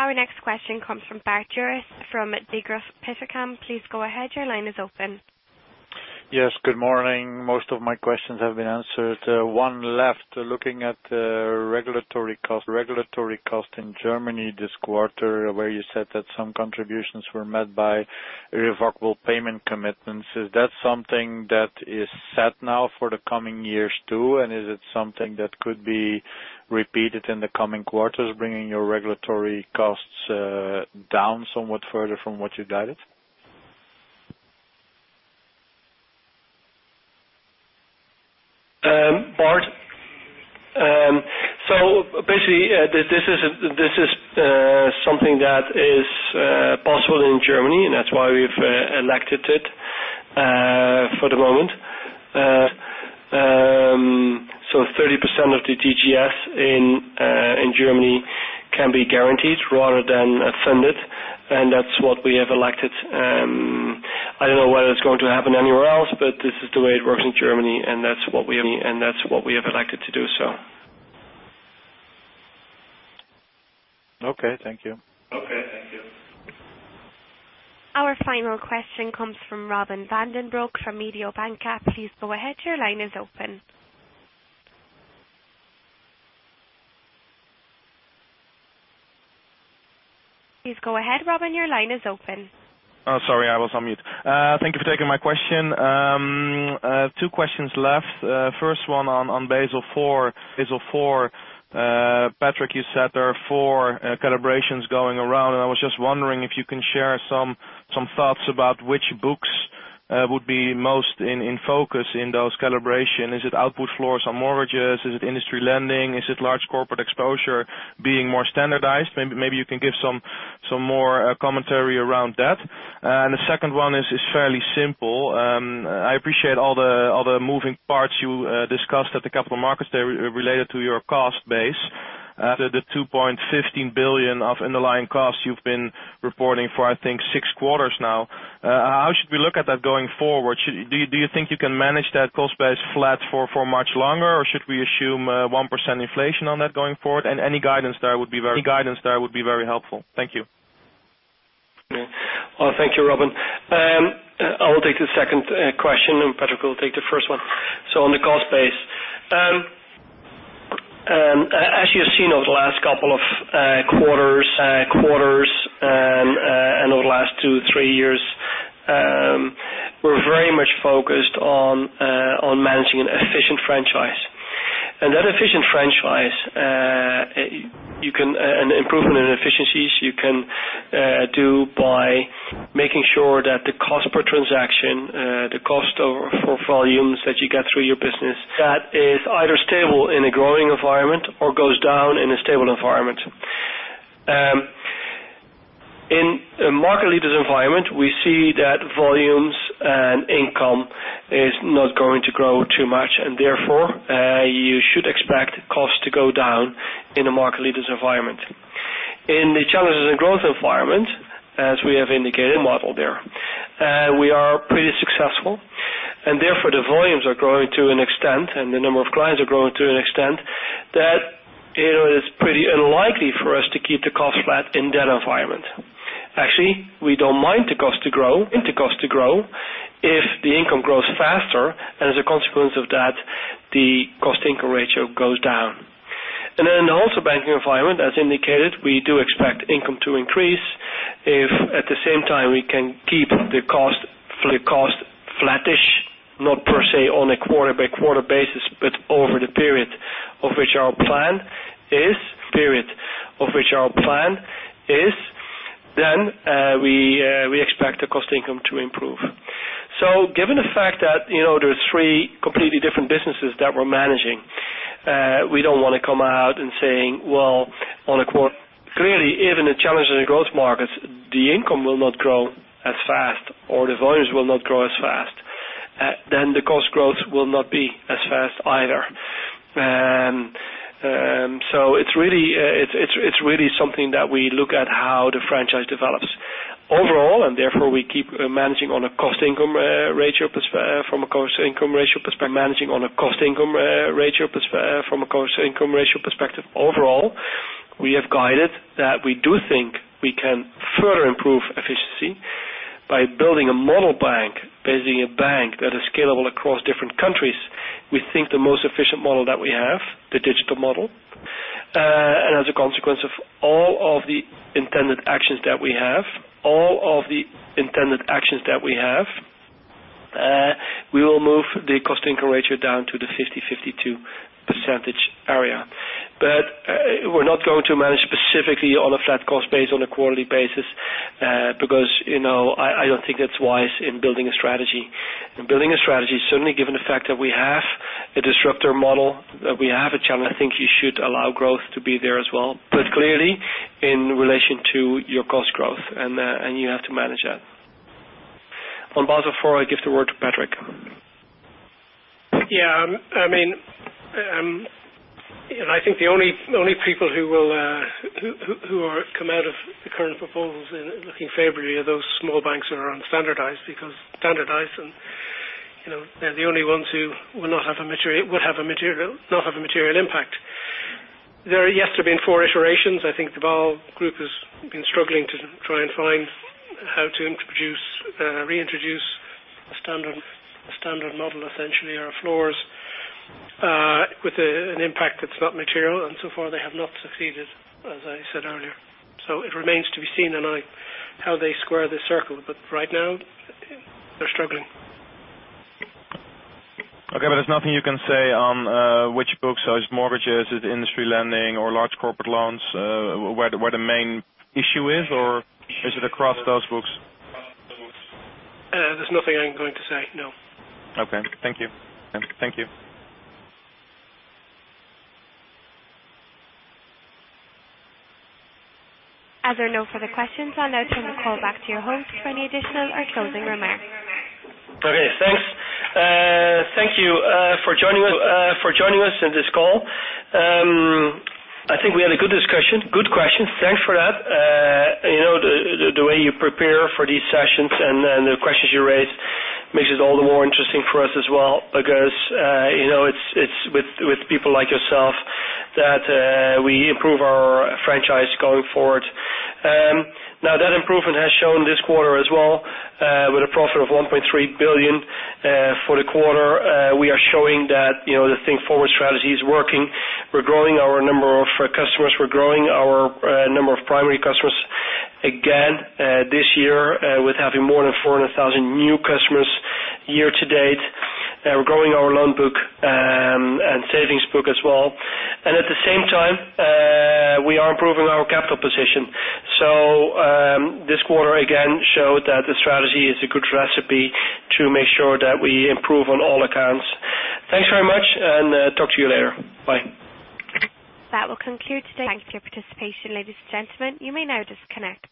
Our next question comes from Bart Joris from Degroof Petercam. Please go ahead. Your line is open. Yes, good morning. Most of my questions have been answered. One left, looking at the regulatory cost in Germany this quarter, where you said that some contributions were met by irrevocable payment commitments. Is that something that is set now for the coming years, too, is it something that could be repeated in the coming quarters, bringing your regulatory costs down somewhat further from what you guided? Bart, basically, this is something that is possible in Germany, and that's why we've elected it for the moment. 30% of the DGS in Germany can be guaranteed rather than funded, and that's what we have elected. I don't know whether it's going to happen anywhere else, but this is the way it works in Germany, and that's what we have elected to do. Okay, thank you. Our final question comes from Robin Van Den Broek from Mediobanca. Please go ahead. Your line is open. Please go ahead, Robin, your line is open. Oh, sorry, I was on mute. Thank you for taking my question. Two questions left. First one on Basel IV. Patrick, you said there are four calibrations going around. I was just wondering if you can share some thoughts about which books would be most in focus in those calibration. Is it output floors on mortgages? Is it industry lending? Is it large corporate exposure being more standardized? Maybe you can give some more commentary around that. The second one is fairly simple. I appreciate all the moving parts you discussed at the capital markets day related to your cost base. The 2.15 billion of underlying costs you've been reporting for, I think, six quarters now. How should we look at that going forward? Do you think you can manage that cost base flat for much longer, or should we assume 1% inflation on that going forward? Any guidance there would be very helpful. Thank you. Thank you, Robin. I will take the second question, and Patrick will take the first one. On the cost base. As you have seen over the last couple of quarters and over the last two, three years. We're very much focused on managing an efficient franchise. That efficient franchise, an improvement in efficiencies, you can do by making sure that the cost per transaction, the cost for volumes that you get through your business, that is either stable in a growing environment or goes down in a stable environment. In a market leaders environment, we see that volumes and income is not going to grow too much, and therefore, you should expect costs to go down in a market leaders environment. In the challenges and growth environment, as we have indicated and modeled there, we are pretty successful, and therefore the volumes are growing to an extent, and the number of clients are growing to an extent, that it is pretty unlikely for us to keep the cost flat in that environment. Actually, we don't mind the cost to grow, if the income grows faster, and as a consequence of that, the cost-income ratio goes down. In the wholesale banking environment, as indicated, we do expect income to increase. If, at the same time, we can keep the cost flattish, not per se on a quarter-by-quarter basis, but over the period of which our plan is, then we expect the cost income to improve. Given the fact that there are three completely different businesses that we're managing, we don't want to come out and saying, well, on a quarter. Clearly, even in challenges in growth markets, the income will not grow as fast, or the volumes will not grow as fast. The cost growth will not be as fast either. It's really something that we look at how the franchise develops. Overall, therefore we keep managing on a cost-income ratio from a cost-income ratio perspective. Overall, we have guided that we do think we can further improve efficiency by building a Model Bank, basically a bank that is scalable across different countries. We think the most efficient model that we have, the digital model, and as a consequence of all of the intended actions that we have, we will move the cost-income ratio down to the 50%-52% area. We're not going to manage specifically on a flat cost base on a quarterly basis, because I don't think that's wise in building a strategy. In building a strategy, certainly given the fact that we have a disruptor model, that we have a challenge, I think you should allow growth to be there as well. Clearly, in relation to your cost growth, and you have to manage that. On Basel IV, I give the word to Patrick. I think the only people who come out of the current proposals looking favorably are those small banks that are on standardized, because standardized, they're the only ones who would not have a material impact. There has to have been four iterations. I think the Basel group has been struggling to try and find how to reintroduce a standard model, essentially, or floors, with an impact that's not material, and so far, they have not succeeded, as I said earlier. It remains to be seen how they square this circle. Right now, they're struggling. There's nothing you can say on which books, is it mortgages, is it industry lending or large corporate loans, where the main issue is, or is it across those books? There's nothing I'm going to say, no. Okay. Thank you. As there are no further questions, I'll now turn the call back to your host for any additional or closing remarks. Okay, thanks. Thank you for joining us on this call. I think we had a good discussion. Good questions. Thanks for that. The way you prepare for these sessions and the questions you raise makes it all the more interesting for us as well, because it's with people like yourself that we improve our franchise going forward. That improvement has shown this quarter as well, with a profit of 1.3 billion for the quarter. We are showing that the Think Forward strategy is working. We're growing our number of customers. We're growing our number of primary customers again this year, with having more than 400,000 new customers year to date. We're growing our loan book and savings book as well. At the same time, we are improving our capital position. This quarter again showed that the strategy is a good recipe to make sure that we improve on all accounts. Thanks very much, and talk to you later. Bye. That will conclude today. Thank you for your participation, ladies and gentlemen. You may now disconnect.